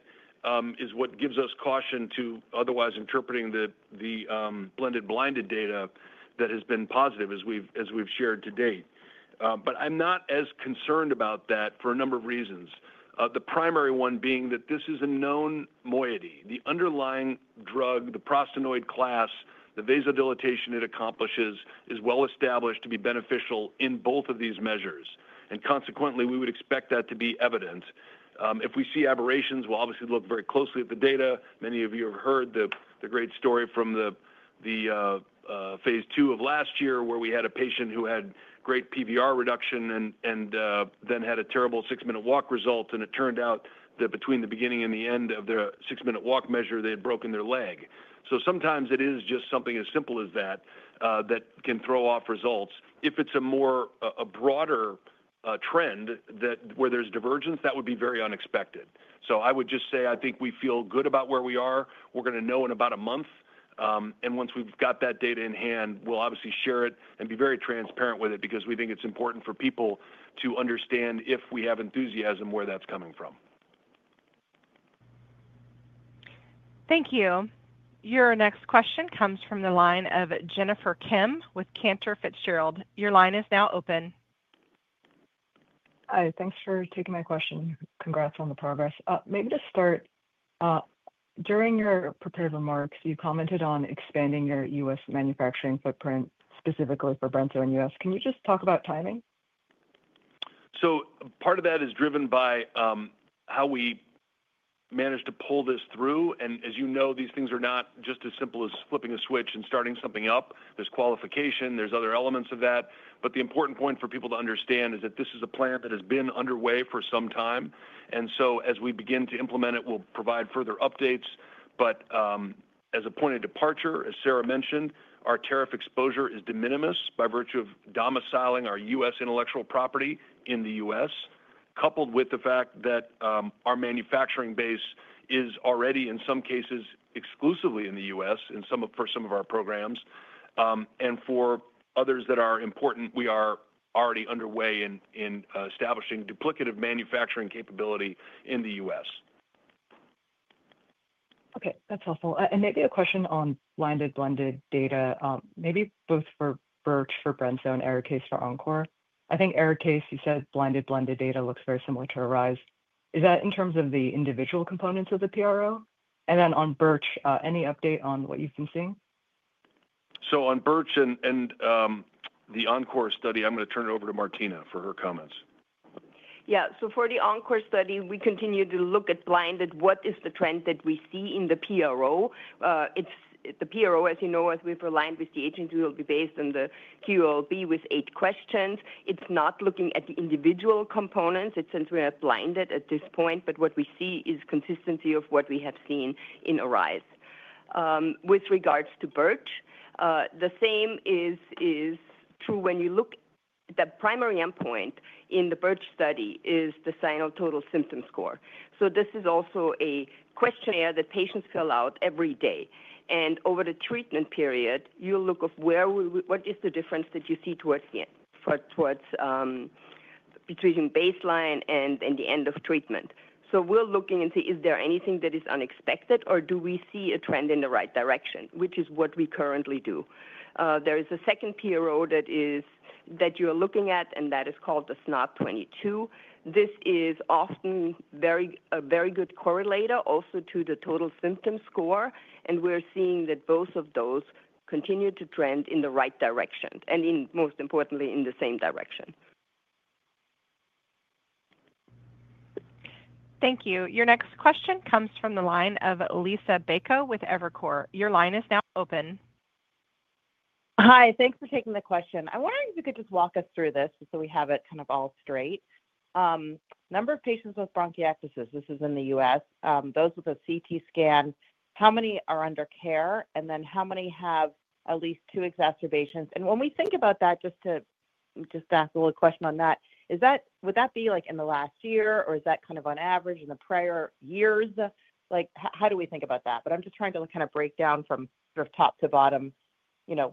is what gives us caution to otherwise interpreting the blended blinded data that has been positive, as we have shared to date. I am not as concerned about that for a number of reasons. The primary one being that this is a known moiety. The underlying drug, the prostacyclin class, the vasodilatation it accomplishes is well established to be beneficial in both of these measures. Consequently, we would expect that to be evident. If we see aberrations, we'll obviously look very closely at the data. Many of you have heard the great story from the phase II of last year where we had a patient who had great PVR reduction and then had a terrible six-minute walk result, and it turned out that between the beginning and the end of their six-minute walk measure, they had broken their leg. Sometimes it is just something as simple as that that can throw off results. If it's a more broader trend where there's divergence, that would be very unexpected. I would just say I think we feel good about where we are. We're going to know in about a month, and once we've got that data in hand, we'll obviously share it and be very transparent with it because we think it's important for people to understand if we have enthusiasm where that's coming from. Thank you. Your next question comes from the line of Jennifer Kim with Cantor Fitzgerald. Your line is now open. Hi. Thanks for taking my question. Congrats on the progress. Maybe to start, during your prepared remarks, you commented on expanding your U.S. manufacturing footprint specifically for brensocatib in the U.S. Can you just talk about timing? Part of that is driven by how we managed to pull this through. As you know, these things are not just as simple as flipping a switch and starting something up. There's qualification. There's other elements of that. The important point for people to understand is that this is a plant that has been underway for some time. As we begin to implement it, we'll provide further updates. As a point of departure, as Sara mentioned, our tariff exposure is de minimis by virtue of domiciling our U.S. intellectual property in the U.S., coupled with the fact that our manufacturing base is already, in some cases, exclusively in the U.S. for some of our programs. For others that are important, we are already underway in establishing duplicative manufacturing capability in the U.S. Okay. That's helpful. Maybe a question on blinded blended data, maybe both for BiRCh for brensocatib and ARIKAYCE for ENCORE. I think ARIKAYCE, you said blinded blended data looks very similar to ARISE. Is that in terms of the individual components of the PRO? Then on BiRCh, any update on what you've been seeing? On BiRCh and the ENCORE study, I'm going to turn it over to Martina for her comments. Yeah. For the ENCORE study, we continue to look at blinded. What is the trend that we see in the PRO? The PRO, as you know, as we've aligned with the agency, will be based on the QLB with eight questions. It's not looking at the individual components. Since we're at blinded at this point, what we see is consistency of what we have seen in ARISE. With regards to BiRCh, the same is true when you look at the primary endpoint in the BiRCh study, which is the SNOT-22 total symptom score. This is also a questionnaire that patients fill out every day. Over the treatment period, you'll look at what is the difference that you see towards the end, between baseline and the end of treatment. We're looking and see is there anything that is unexpected, or do we see a trend in the right direction, which is what we currently do. There is a second PRO that you're looking at, and that is called the SNOT-22. This is often a very good correlator also to the total symptom score, and we're seeing that both of those continue to trend in the right direction, and most importantly, in the same direction. Thank you. Your next question comes from the line of Liisa Bayko with Evercore. Your line is now open. Hi. Thanks for taking the question. I wonder if you could just walk us through this so we have it kind of all straight. Number of patients with bronchiectasis, this is in the U.S., those with a CT scan, how many are under care, and then how many have at least two exacerbations? When we think about that, just to ask a little question on that, would that be in the last year, or is that kind of on average in the prior years? How do we think about that? I'm just trying to kind of break down from top to bottom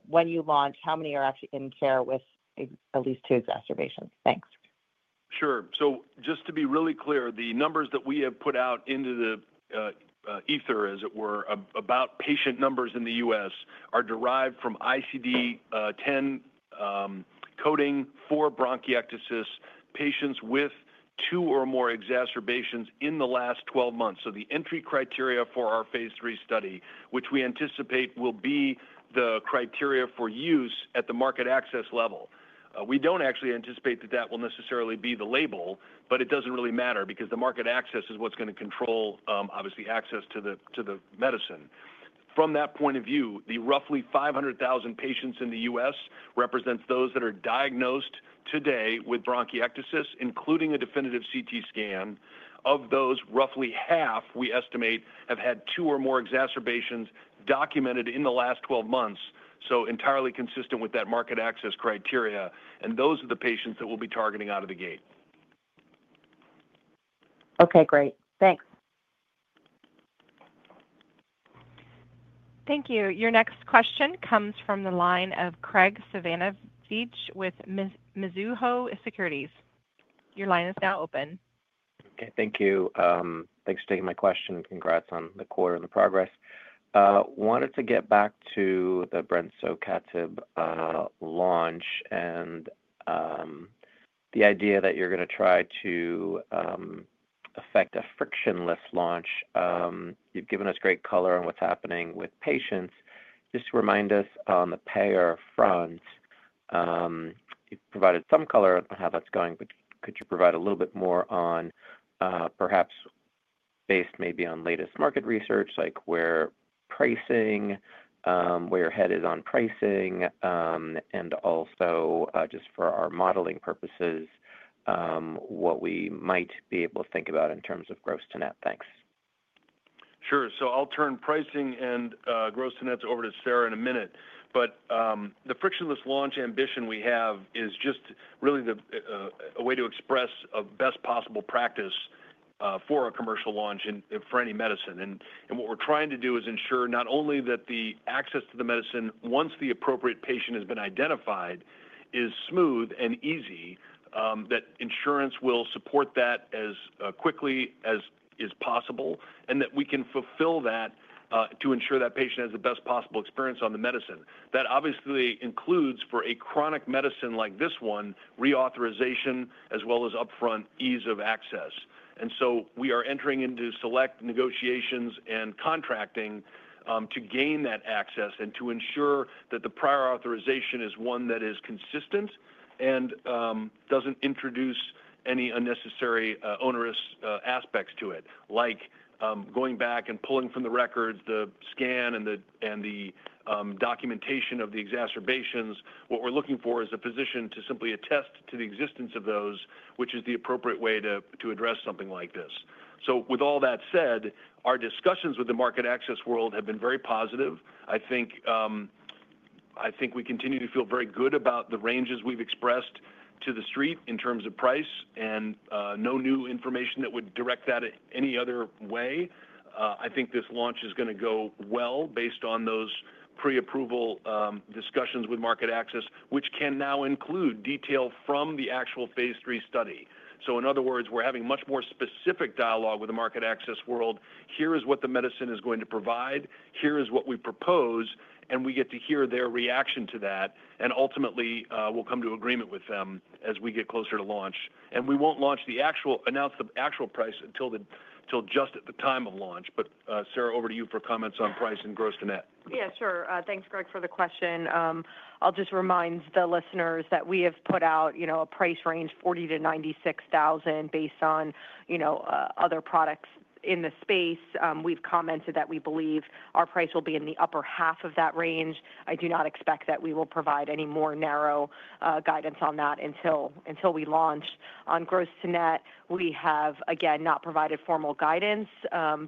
when you launch, how many are actually in care with at least two exacerbations. Thanks. Sure. Just to be really clear, the numbers that we have put out into the ether, as it were, about patient numbers in the U.S. are derived from ICD-10 coding for bronchiectasis patients with two or more exacerbations in the last 12 months. The entry criteria for our phase III study, which we anticipate will be the criteria for use at the market access level. We do not actually anticipate that that will necessarily be the label, but it does not really matter because the market access is what is going to control, obviously, access to the medicine. From that point of view, the roughly 500,000 patients in the U.S. represents those that are diagnosed today with bronchiectasis, including a definitive CT scan. Of those, roughly half, we estimate, have had two or more exacerbations documented in the last 12 months, so entirely consistent with that market access criteria. Those are the patients that we will be targeting out of the gate. Okay. Great. Thanks. Thank you. Your next question comes from the line of Graig Suvannavejh with Mizuho Securities. Your line is now open. Okay. Thank you. Thanks for taking my question. Congrats on the quarter and the progress. Wanted to get back to the brensocatib launch and the idea that you're going to try to affect a frictionless launch. You've given us great color on what's happening with patients. Just to remind us on the payer front, you've provided some color on how that's going, but could you provide a little bit more on perhaps based maybe on latest market research, like where pricing, where your head is on pricing, and also just for our modeling purposes, what we might be able to think about in terms of gross to net. Thanks. Sure. I'll turn pricing and gross to nets over to Sara in a minute. The frictionless launch ambition we have is just really a way to express a best possible practice for a commercial launch for any medicine. What we are trying to do is ensure not only that the access to the medicine, once the appropriate patient has been identified, is smooth and easy, that insurance will support that as quickly as is possible, and that we can fulfill that to ensure that patient has the best possible experience on the medicine. That obviously includes, for a chronic medicine like this one, reauthorization as well as upfront ease of access. We are entering into select negotiations and contracting to gain that access and to ensure that the prior authorization is one that is consistent and does not introduce any unnecessary onerous aspects to it, like going back and pulling from the records, the scan, and the documentation of the exacerbations. What we are looking for is a physician to simply attest to the existence of those, which is the appropriate way to address something like this. With all that said, our discussions with the market access world have been very positive. I think we continue to feel very good about the ranges we've expressed to the street in terms of price and no new information that would direct that any other way. I think this launch is going to go well based on those pre-approval discussions with market access, which can now include detail from the actual phase III study. In other words, we're having much more specific dialogue with the market access world. Here is what the medicine is going to provide. Here is what we propose. We get to hear their reaction to that. Ultimately, we'll come to agreement with them as we get closer to launch. We won't announce the actual price until just at the time of launch. Sarah, over to you for comments on price and gross to net. Yeah. Sure. Thanks, Greg, for the question. I'll just remind the listeners that we have put out a price range, $40,000-$96,000 based on other products in the space. We've commented that we believe our price will be in the upper half of that range. I do not expect that we will provide any more narrow guidance on that until we launch. On gross to net, we have, again, not provided formal guidance,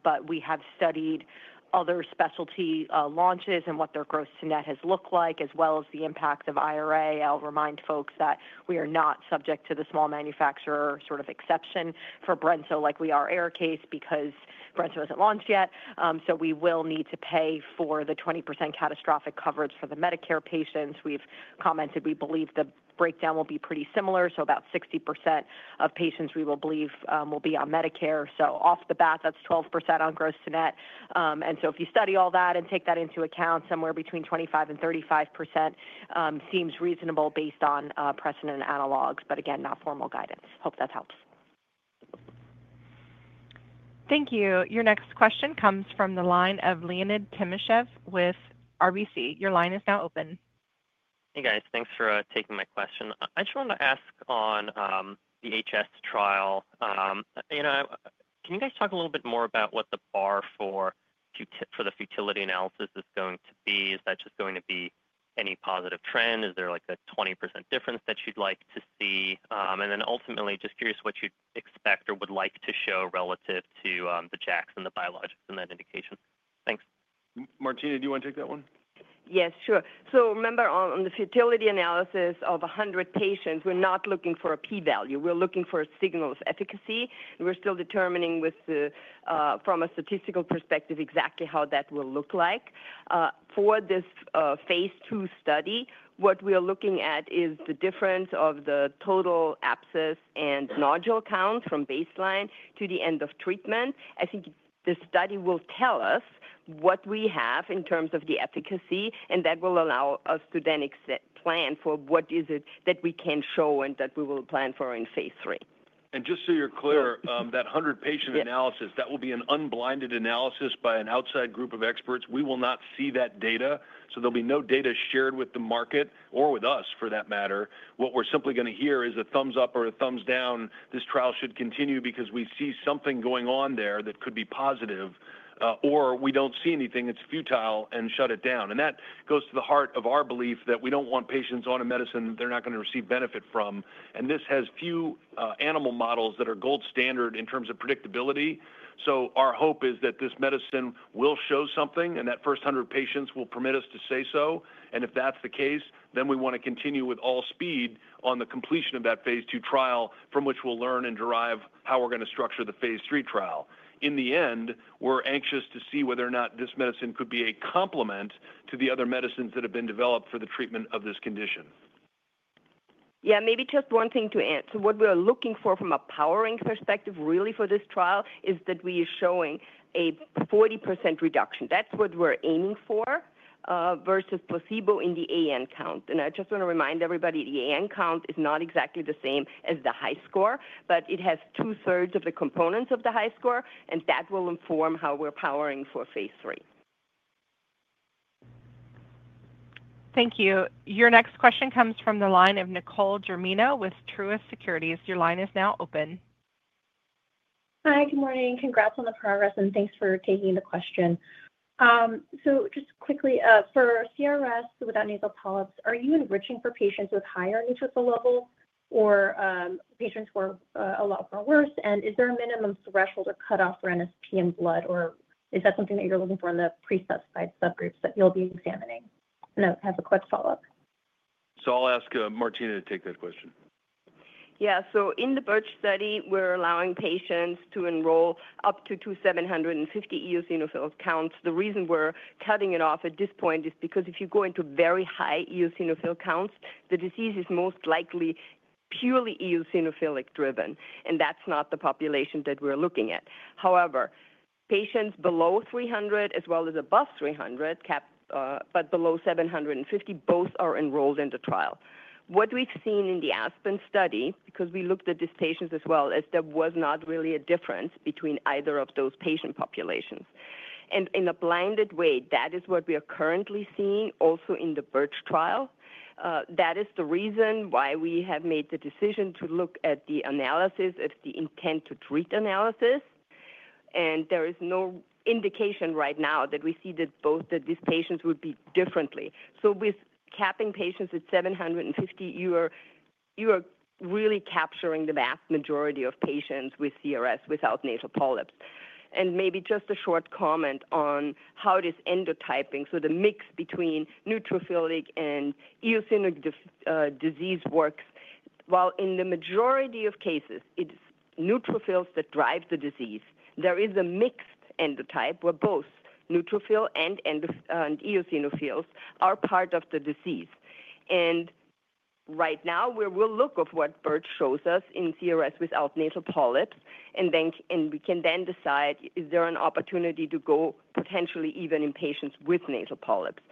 but we have studied other specialty launches and what their gross to net has looked like, as well as the impact of IRA. I'll remind folks that we are not subject to the small manufacturer sort of exception for brensocatib like we are ARIKAYCE because brensocatib was not launched yet. We will need to pay for the 20% catastrophic coverage for the Medicare patients. We've commented we believe the breakdown will be pretty similar. About 60% of patients we believe will be on Medicare. Off the bat, that's 12% on gross to net. If you study all that and take that into account, somewhere between 25%-35% seems reasonable based on precedent and analogs, but again, not formal guidance. Hope that helps. Thank you. Your next question comes from the line of Leonid Timashev with RBC. Your line is now open. Hey, guys. Thanks for taking my question. I just wanted to ask on the HS trial. Can you guys talk a little bit more about what the bar for the futility analysis is going to be? Is that just going to be any positive trend? Is there a 20% difference that you'd like to see? And then ultimately, just curious what you'd expect or would like to show relative to the JAKs and the biologics and that indication. Thanks. Martina, do you want to take that one? Yes. Sure. Remember, on the futility analysis of 100 patients, we're not looking for a p-value. We're looking for a signal of efficacy. We're still determining from a statistical perspective exactly how that will look like. For this phase II study, what we are looking at is the difference of the total abscess and nodule count from baseline to the end of treatment. I think this study will tell us what we have in terms of the efficacy, and that will allow us to then plan for what is it that we can show and that we will plan for in phase III. Just so you're clear, that 100-patient analysis, that will be an unblinded analysis by an outside group of experts. We will not see that data. There will be no data shared with the market or with us, for that matter. What we're simply going to hear is a thumbs up or a thumbs down. This trial should continue because we see something going on there that could be positive, or we do not see anything. It is futile and shut it down. That goes to the heart of our belief that we do not want patients on a medicine they are not going to receive benefit from. This has few animal models that are gold standard in terms of predictability. Our hope is that this medicine will show something, and that first 100 patients will permit us to say so. If that's the case, then we want to continue with all speed on the completion of that phase II trial, from which we'll learn and derive how we're going to structure the phase III trial. In the end, we're anxious to see whether or not this medicine could be a complement to the other medicines that have been developed for the treatment of this condition. Yeah. Maybe just one thing to add. What we're looking for from a powering perspective, really, for this trial is that we are showing a 40% reduction. That's what we're aiming for versus placebo in the AN count. I just want to remind everybody the AN count is not exactly the same as the high score, but it has two-thirds of the components of the high score, and that will inform how we're powering for phase III. Thank you. Your next question comes from the line of Nicole Germino with Truist Securities. Your line is now open. Hi. Good morning. Congrats on the progress, and thanks for taking the question. Just quickly, for CRS without nasal polyps, are you enriching for patients with higher neutrophil levels or patients who are a lot more worse? Is there a minimum threshold or cutoff for NSP in blood, or is that something that you're looking for in the preset-sized subgroups that you'll be examining? I have a quick follow-up. I'll ask Martina to take that question. Yeah. In the BiRCh study, we're allowing patients to enroll up to 2,750 eosinophil counts. The reason we're cutting it off at this point is because if you go into very high eosinophil counts, the disease is most likely purely eosinophilic-driven, and that's not the population that we're looking at. However, patients below 300 as well as above 300, but below 750, both are enrolled in the trial. What we've seen in the ASPEN study, because we looked at these patients as well, is there was not really a difference between either of those patient populations. In a blinded way, that is what we are currently seeing also in the BiRCh trial. That is the reason why we have made the decision to look at the analysis as the intent to treat analysis. There is no indication right now that we see that both of these patients would be differently. With capping patients at 750, you are really capturing the vast majority of patients with CRS without nasal polyps. Maybe just a short comment on how it is endotyping, so the mix between neutrophilic and eosinophilic disease works. While in the majority of cases, it's neutrophils that drive the disease, there is a mixed endotype where both neutrophil and eosinophils are part of the disease. Right now, we will look at what BiRCh shows us in CRS without nasal polyps, and we can then decide is there an opportunity to go potentially even in patients with nasal polyps.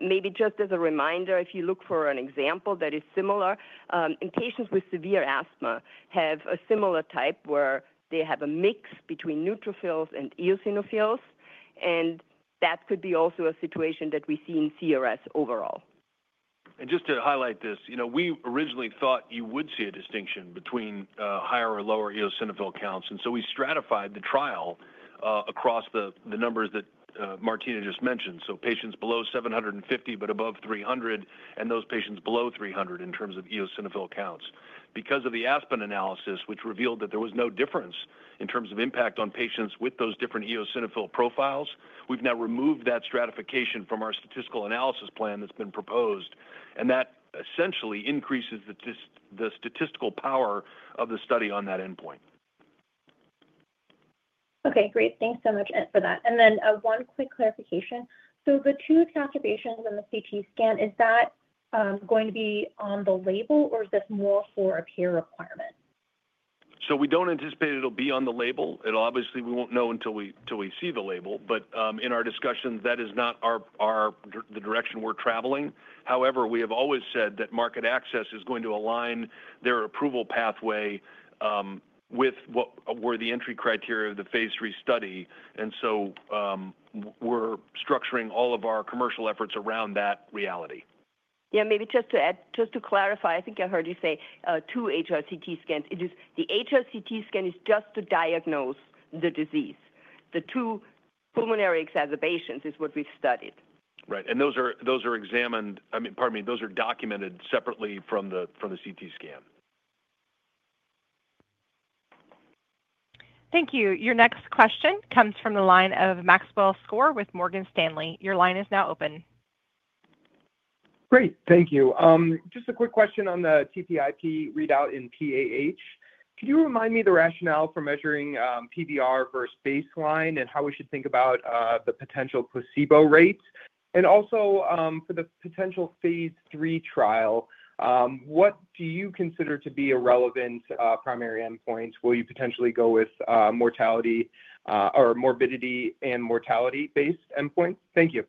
Maybe just as a reminder, if you look for an example that is similar, in patients with severe asthma have a similar type where they have a mix between neutrophils and eosinophils. That could be also a situation that we see in CRS overall. Just to highlight this, we originally thought you would see a distinction between higher or lower eosinophil counts. We stratified the trial across the numbers that Martina just mentioned. Patients below 750 but above 300, and those patients below 300 in terms of eosinophil counts. Because of the ASPEN analysis, which revealed that there was no difference in terms of impact on patients with those different eosinophil profiles, we have now removed that stratification from our statistical analysis plan that has been proposed. That essentially increases the statistical power of the study on that endpoint. Okay. Great. Thanks so much for that. One quick clarification. The two calculations in the CT scan, is that going to be on the label, or is this more for a peer requirement? We do not anticipate it will be on the label. Obviously, we will not know until we see the label. In our discussion, that is not the direction we are traveling. However, we have always said that market access is going to align their approval pathway with what were the entry criteria of the phase III study. We are structuring all of our commercial efforts around that reality. Yeah. Maybe just to clarify, I think I heard you say two HRCT scans. The HRCT scan is just to diagnose the disease. The two pulmonary exacerbations is what we have studied. Right. Those are examined, I mean, pardon me, those are documented separately from the CT scan. Thank you. Your next question comes from the line of Maxwell Skor with Morgan Stanley. Your line is now open. Great. Thank you. Just a quick question on the TPIP readout in PAH. Could you remind me the rationale for measuring PVR versus baseline and how we should think about the potential placebo rate? Also for the potential phase III trial, what do you consider to be relevant primary endpoints? Will you potentially go with mortality or morbidity and mortality-based endpoints? Thank you.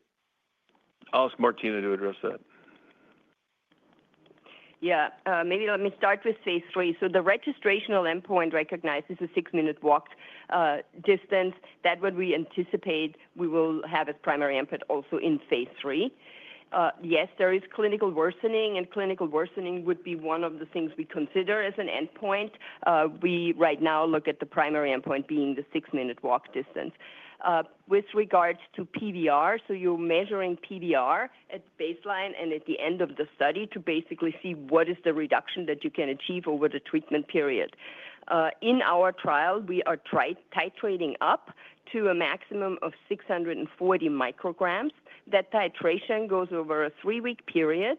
I'll ask Martina to address that. Yeah. Maybe let me start with phase III. The registrational endpoint recognizes a six-minute walk distance. That's what we anticipate we will have as primary input also in phase III. Yes, there is clinical worsening, and clinical worsening would be one of the things we consider as an endpoint. We right now look at the primary endpoint being the six-minute walk distance. With regards to PVR, you are measuring PVR at baseline and at the end of the study to basically see what is the reduction that you can achieve over the treatment period. In our trial, we are titrating up to a maximum of 640 μg. That titration goes over a three-week period.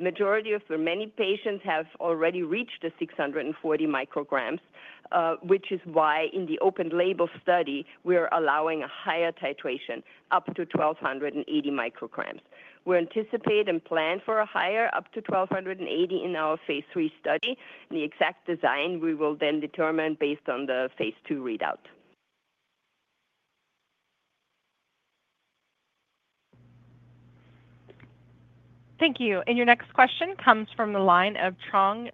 The majority of the many patients have already reached the 640 μg, which is why in the open-label study, we are allowing a higher titration up to 1,280 μg. We anticipate and plan for a higher up to 1,280 in our phase III study. The exact design we will then determine based on the phase II readout. Thank you. Your next question comes from the line of Trung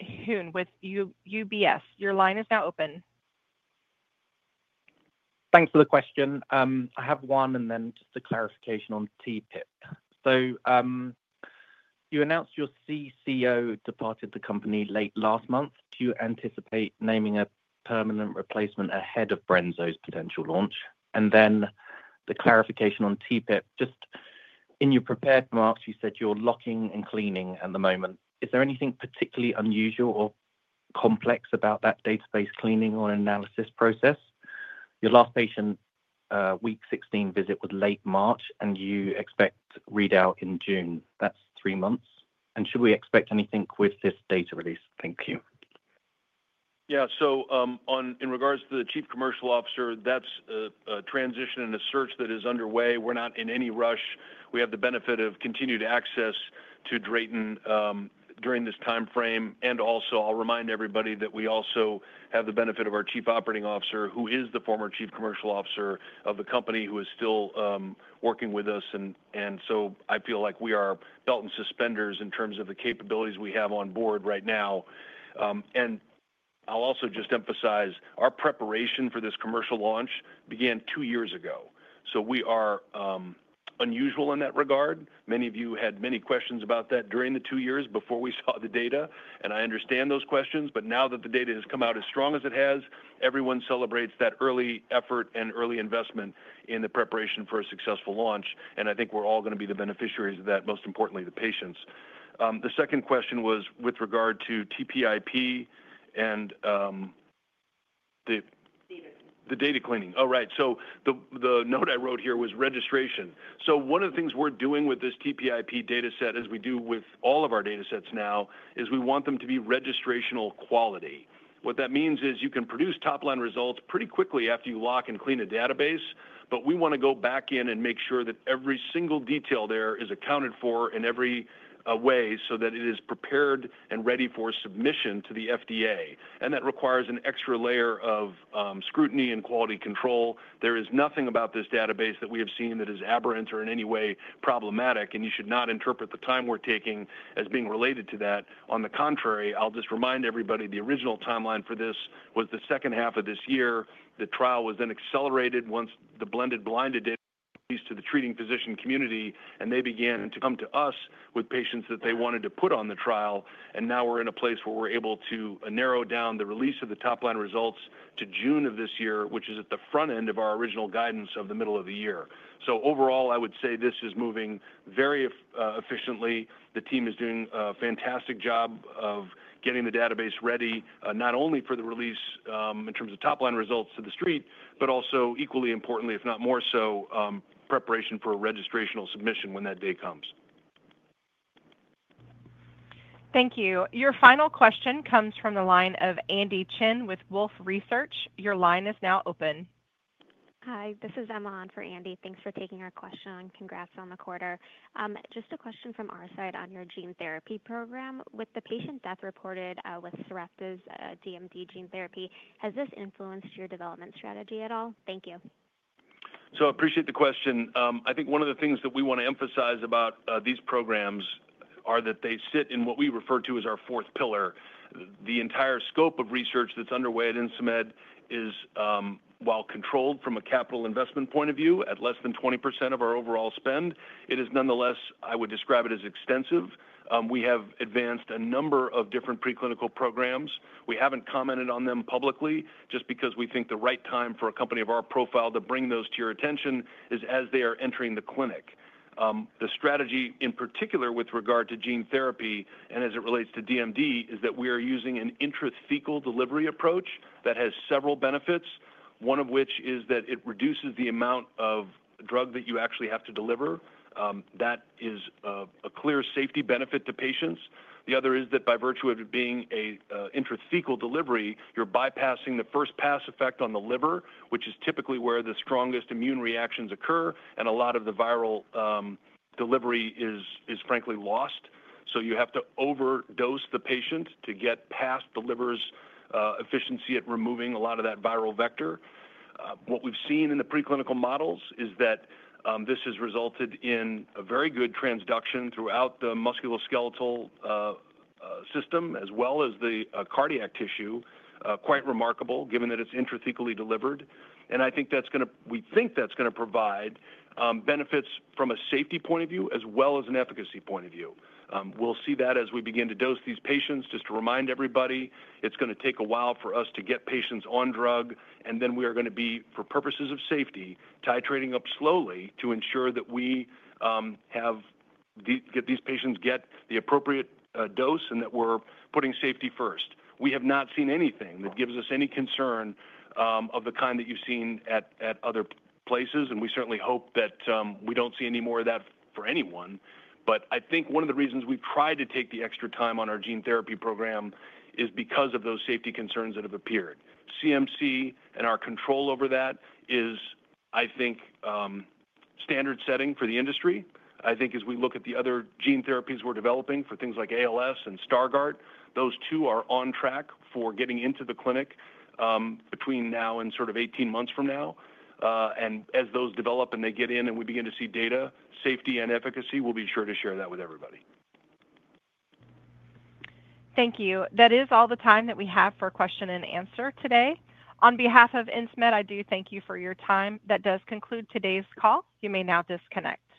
Huynh with UBS. Your line is now open. Thanks for the question. I have one, and then just a clarification on TPIP. You announced your CCO departed the company late last month. Do you anticipate naming a permanent replacement ahead of brensocatib's potential launch? The clarification on TPIP, just in your prepared marks, you said you're locking and cleaning at the moment. Is there anything particularly unusual or complex about that database cleaning or analysis process? Your last patient week 16 visit was late March, and you expect readout in June. That's three months. And should we expect anything with this data release? Thank you. Yeah. In regards to the Chief Commercial Officer, that's a transition and a search that is underway. We're not in any rush. We have the benefit of continued access to Drayton during this timeframe. I'll remind everybody that we also have the benefit of our Chief Operating Officer, who is the former Chief Commercial Officer of the company, who is still working with us. I feel like we are belt and suspenders in terms of the capabilities we have on board right now. I'll also just emphasize our preparation for this commercial launch began two years ago. We are unusual in that regard. Many of you had many questions about that during the two years before we saw the data. I understand those questions. Now that the data has come out as strong as it has, everyone celebrates that early effort and early investment in the preparation for a successful launch. I think we're all going to be the beneficiaries of that, most importantly, the patients. The second question was with regard to TPIP and the data cleaning. Oh, right. The note I wrote here was registration. One of the things we're doing with this TPIP dataset, as we do with all of our datasets now, is we want them to be registrational quality. What that means is you can produce top-line results pretty quickly after you lock and clean a database. We want to go back in and make sure that every single detail there is accounted for in every way so that it is prepared and ready for submission to the FDA. That requires an extra layer of scrutiny and quality control. There is nothing about this database that we have seen that is aberrant or in any way problematic. You should not interpret the time we're taking as being related to that. On the contrary, I'll just remind everybody the original timeline for this was the second half of this year. The trial was then accelerated once the blended blinded data was released to the treating physician community, and they began to come to us with patients that they wanted to put on the trial. Now we're in a place where we're able to narrow down the release of the top-line results to June of this year, which is at the front end of our original guidance of the middle of the year. Overall, I would say this is moving very efficiently. The team is doing a fantastic job of getting the database ready, not only for the release in terms of top-line results to the street, but also, equally importantly, if not more so, preparation for registrational submission when that day comes. Thank you. Your final question comes from the line of Andy Chen with Wolfe Research. Your line is now open. Hi. This is Emma on for Andy. Thanks for taking our question on. Congrats on the quarter. Just a question from our side on your gene therapy program. With the patient death reported with Sarepta's DMD gene therapy, has this influenced your development strategy at all? Thank you. I appreciate the question. I think one of the things that we want to emphasize about these programs is that they sit in what we refer to as our fourth pillar. The entire scope of research that is underway at Insmed is, while controlled from a capital investment point of view, at less than 20% of our overall spend, it is nonetheless, I would describe it as extensive. We have advanced a number of different preclinical programs. We have not commented on them publicly just because we think the right time for a company of our profile to bring those to your attention is as they are entering the clinic. The strategy, in particular with regard to gene therapy and as it relates to DMD, is that we are using an intrathecal delivery approach that has several benefits, one of which is that it reduces the amount of drug that you actually have to deliver. That is a clear safety benefit to patients. The other is that by virtue of it being an intrathecal delivery, you're bypassing the first pass effect on the liver, which is typically where the strongest immune reactions occur, and a lot of the viral delivery is, frankly, lost. You have to overdose the patient to get past the liver's efficiency at removing a lot of that viral vector. What we've seen in the preclinical models is that this has resulted in a very good transduction throughout the musculoskeletal system as well as the cardiac tissue, quite remarkable given that it's intrathecally delivered. I think that's going to, we think that's going to provide benefits from a safety point of view as well as an efficacy point of view. We'll see that as we begin to dose these patients. Just to remind everybody, it's going to take a while for us to get patients on drug. We are going to be, for purposes of safety, titrating up slowly to ensure that we get these patients the appropriate dose and that we're putting safety first. We have not seen anything that gives us any concern of the kind that you've seen at other places. We certainly hope that we don't see any more of that for anyone. I think one of the reasons we've tried to take the extra time on our gene therapy program is because of those safety concerns that have appeared. CMC and our control over that is, I think, standard setting for the industry. I think as we look at the other gene therapies we're developing for things like ALS and Stargardt, those two are on track for getting into the clinic between now and sort of 18 months from now. As those develop and they get in and we begin to see data, safety and efficacy, we'll be sure to share that with everybody. Thank you. That is all the time that we have for question and answer today. On behalf of Insmed, I do thank you for your time. That does conclude today's call. You may now disconnect.